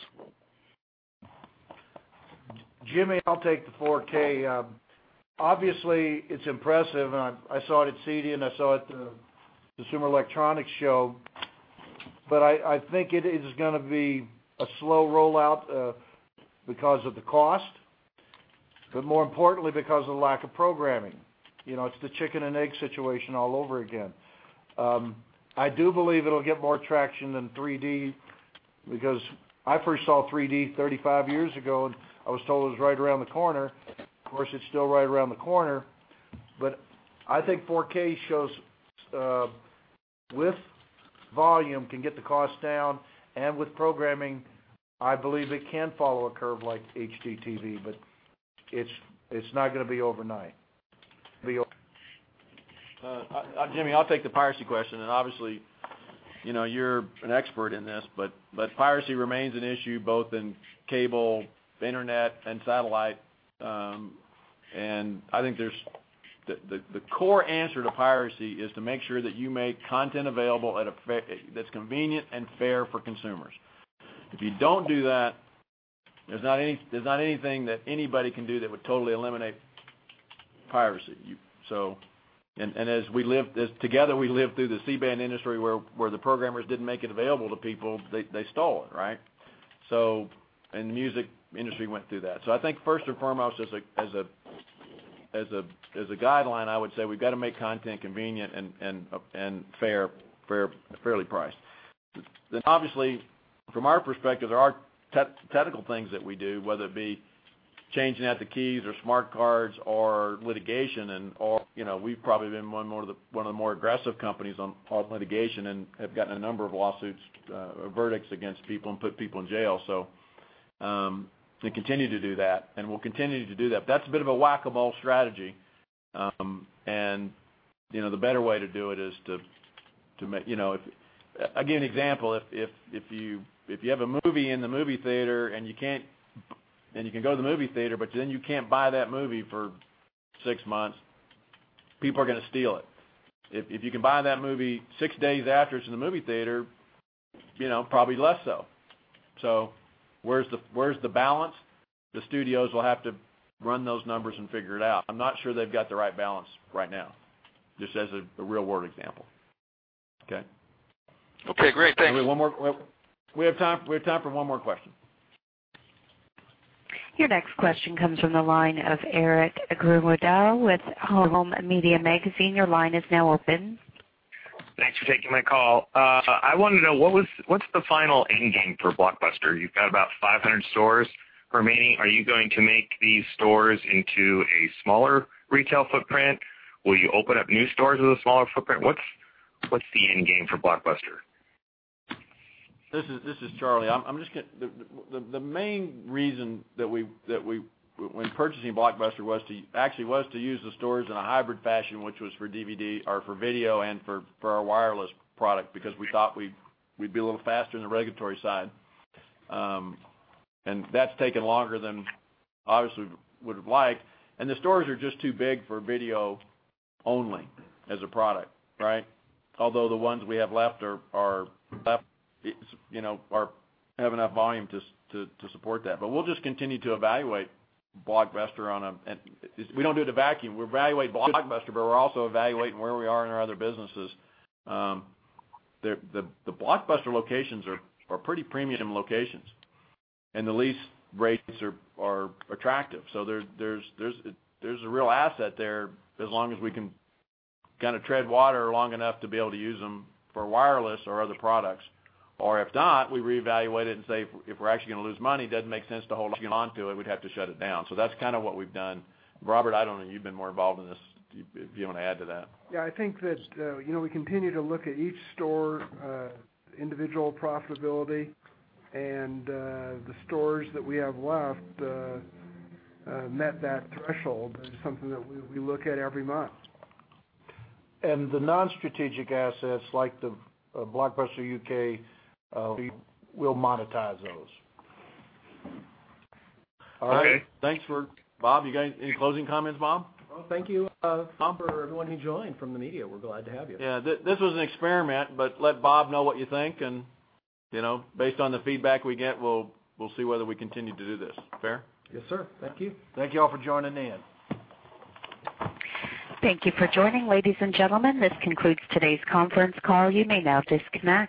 Jimmy, I'll take the 4K. Obviously, it's impressive, and I saw it at CEDIA, and I saw it at the Consumer Electronics Show. I think it is going to be a slow rollout because of the cost, but more importantly, because of the lack of programming. You know, it's the chicken and egg situation all over again. I do believe it will get more traction than 3D because I first saw 3D 35 years ago, and I was told it was right around the corner. Of course, it is still right around the corner. I think 4K shows, with volume, can get the cost down, and with programming, I believe it can follow a curve like HDTV, but it is not going to be overnight. Jimmy, I'll take the piracy question. Obviously, you know, you're an expert in this, but piracy remains an issue both in cable, internet, and satellite. I think the core answer to piracy is to make sure that you make content available that's convenient and fair for consumers. If you don't do that, there's not anything that anybody can do that would totally eliminate piracy. As together we live through the C-band industry where the programmers didn't make it available to people, they stole it, right? The music industry went through that. I think first and foremost, as a guideline, I would say we've got to make content convenient and fairly priced. Obviously, from our perspective, there are technical things that we do, whether it be changing out the keys or smart cards or litigation and all. You know, we've probably been one of the more aggressive companies on litigation and have gotten a number of lawsuits, verdicts against people and put people in jail. Continue to do that, and we'll continue to do that. That's a bit of a whack-a-mole strategy. You know, the better way to do it is to make, again, example, if you have a movie in the movie theater and you can go to the movie theater, you can't buy that movie for six months, people are gonna steal it. If you can buy that movie 6 days after it's in the movie theater, you know, probably less so. Where's the balance? The studios will have to run those numbers and figure it out. I'm not sure they've got the right balance right now. Just as a real-world example. Okay? Okay, great. Thanks. One more. We have time for one more question. Your next question comes from the line of Erik Gruenwedel with Home Media Magazine. Your line is now open. Thanks for taking my call. I wanna know what's the final end game for Blockbuster? You've got about 500 stores remaining. Are you going to make these stores into a smaller retail footprint? Will you open up new stores with a smaller footprint? What's? What's the end game for Blockbuster? This is Charlie. The main reason that we, when purchasing Blockbuster, was actually to use the stores in a hybrid fashion, which was for DVD or for video and for our wireless product because we thought we'd be a little faster on the regulatory side. That's taken longer than obviously we would've liked, and the stores are just too big for video only as a product, right? Although the ones we have left are left, it's, you know, have enough volume to support that. We'll just continue to evaluate Blockbuster. We don't do the vacuum. We evaluate Blockbuster, we're also evaluating where we are in our other businesses. The Blockbuster locations are pretty premium locations, and the lease rates are attractive. There's a real asset there as long as we can kinda tread water long enough to be able to use them for wireless or other products. If not, we reevaluate it and say, if we're actually gonna lose money, it doesn't make sense to hold onto it, we'd have to shut it down. That's kinda what we've done. Robert, I don't know, you've been more in volved in this. Do you wanna add to that? I think that, you know, we continue to look at each store, individual profitability and, the stores that we have left, met that threshold. That is something that we look at every month. The non-strategic assets like the Blockbuster UK, we will monetize those. All right. Okay. Thanks for Bob, you got any closing comments, Bob? Well, thank you, Tom, for everyone who joined from the media. We're glad to have you. Yeah. This was an experiment, but let Bob know what you think and, you know, based on the feedback we get, we'll see whether we continue to do this. Fair? Yes, sir. Thank you. Thank you all for joining in. Thank you for joining, ladies and gentlemen. This concludes today's conference call. You may now disconnect.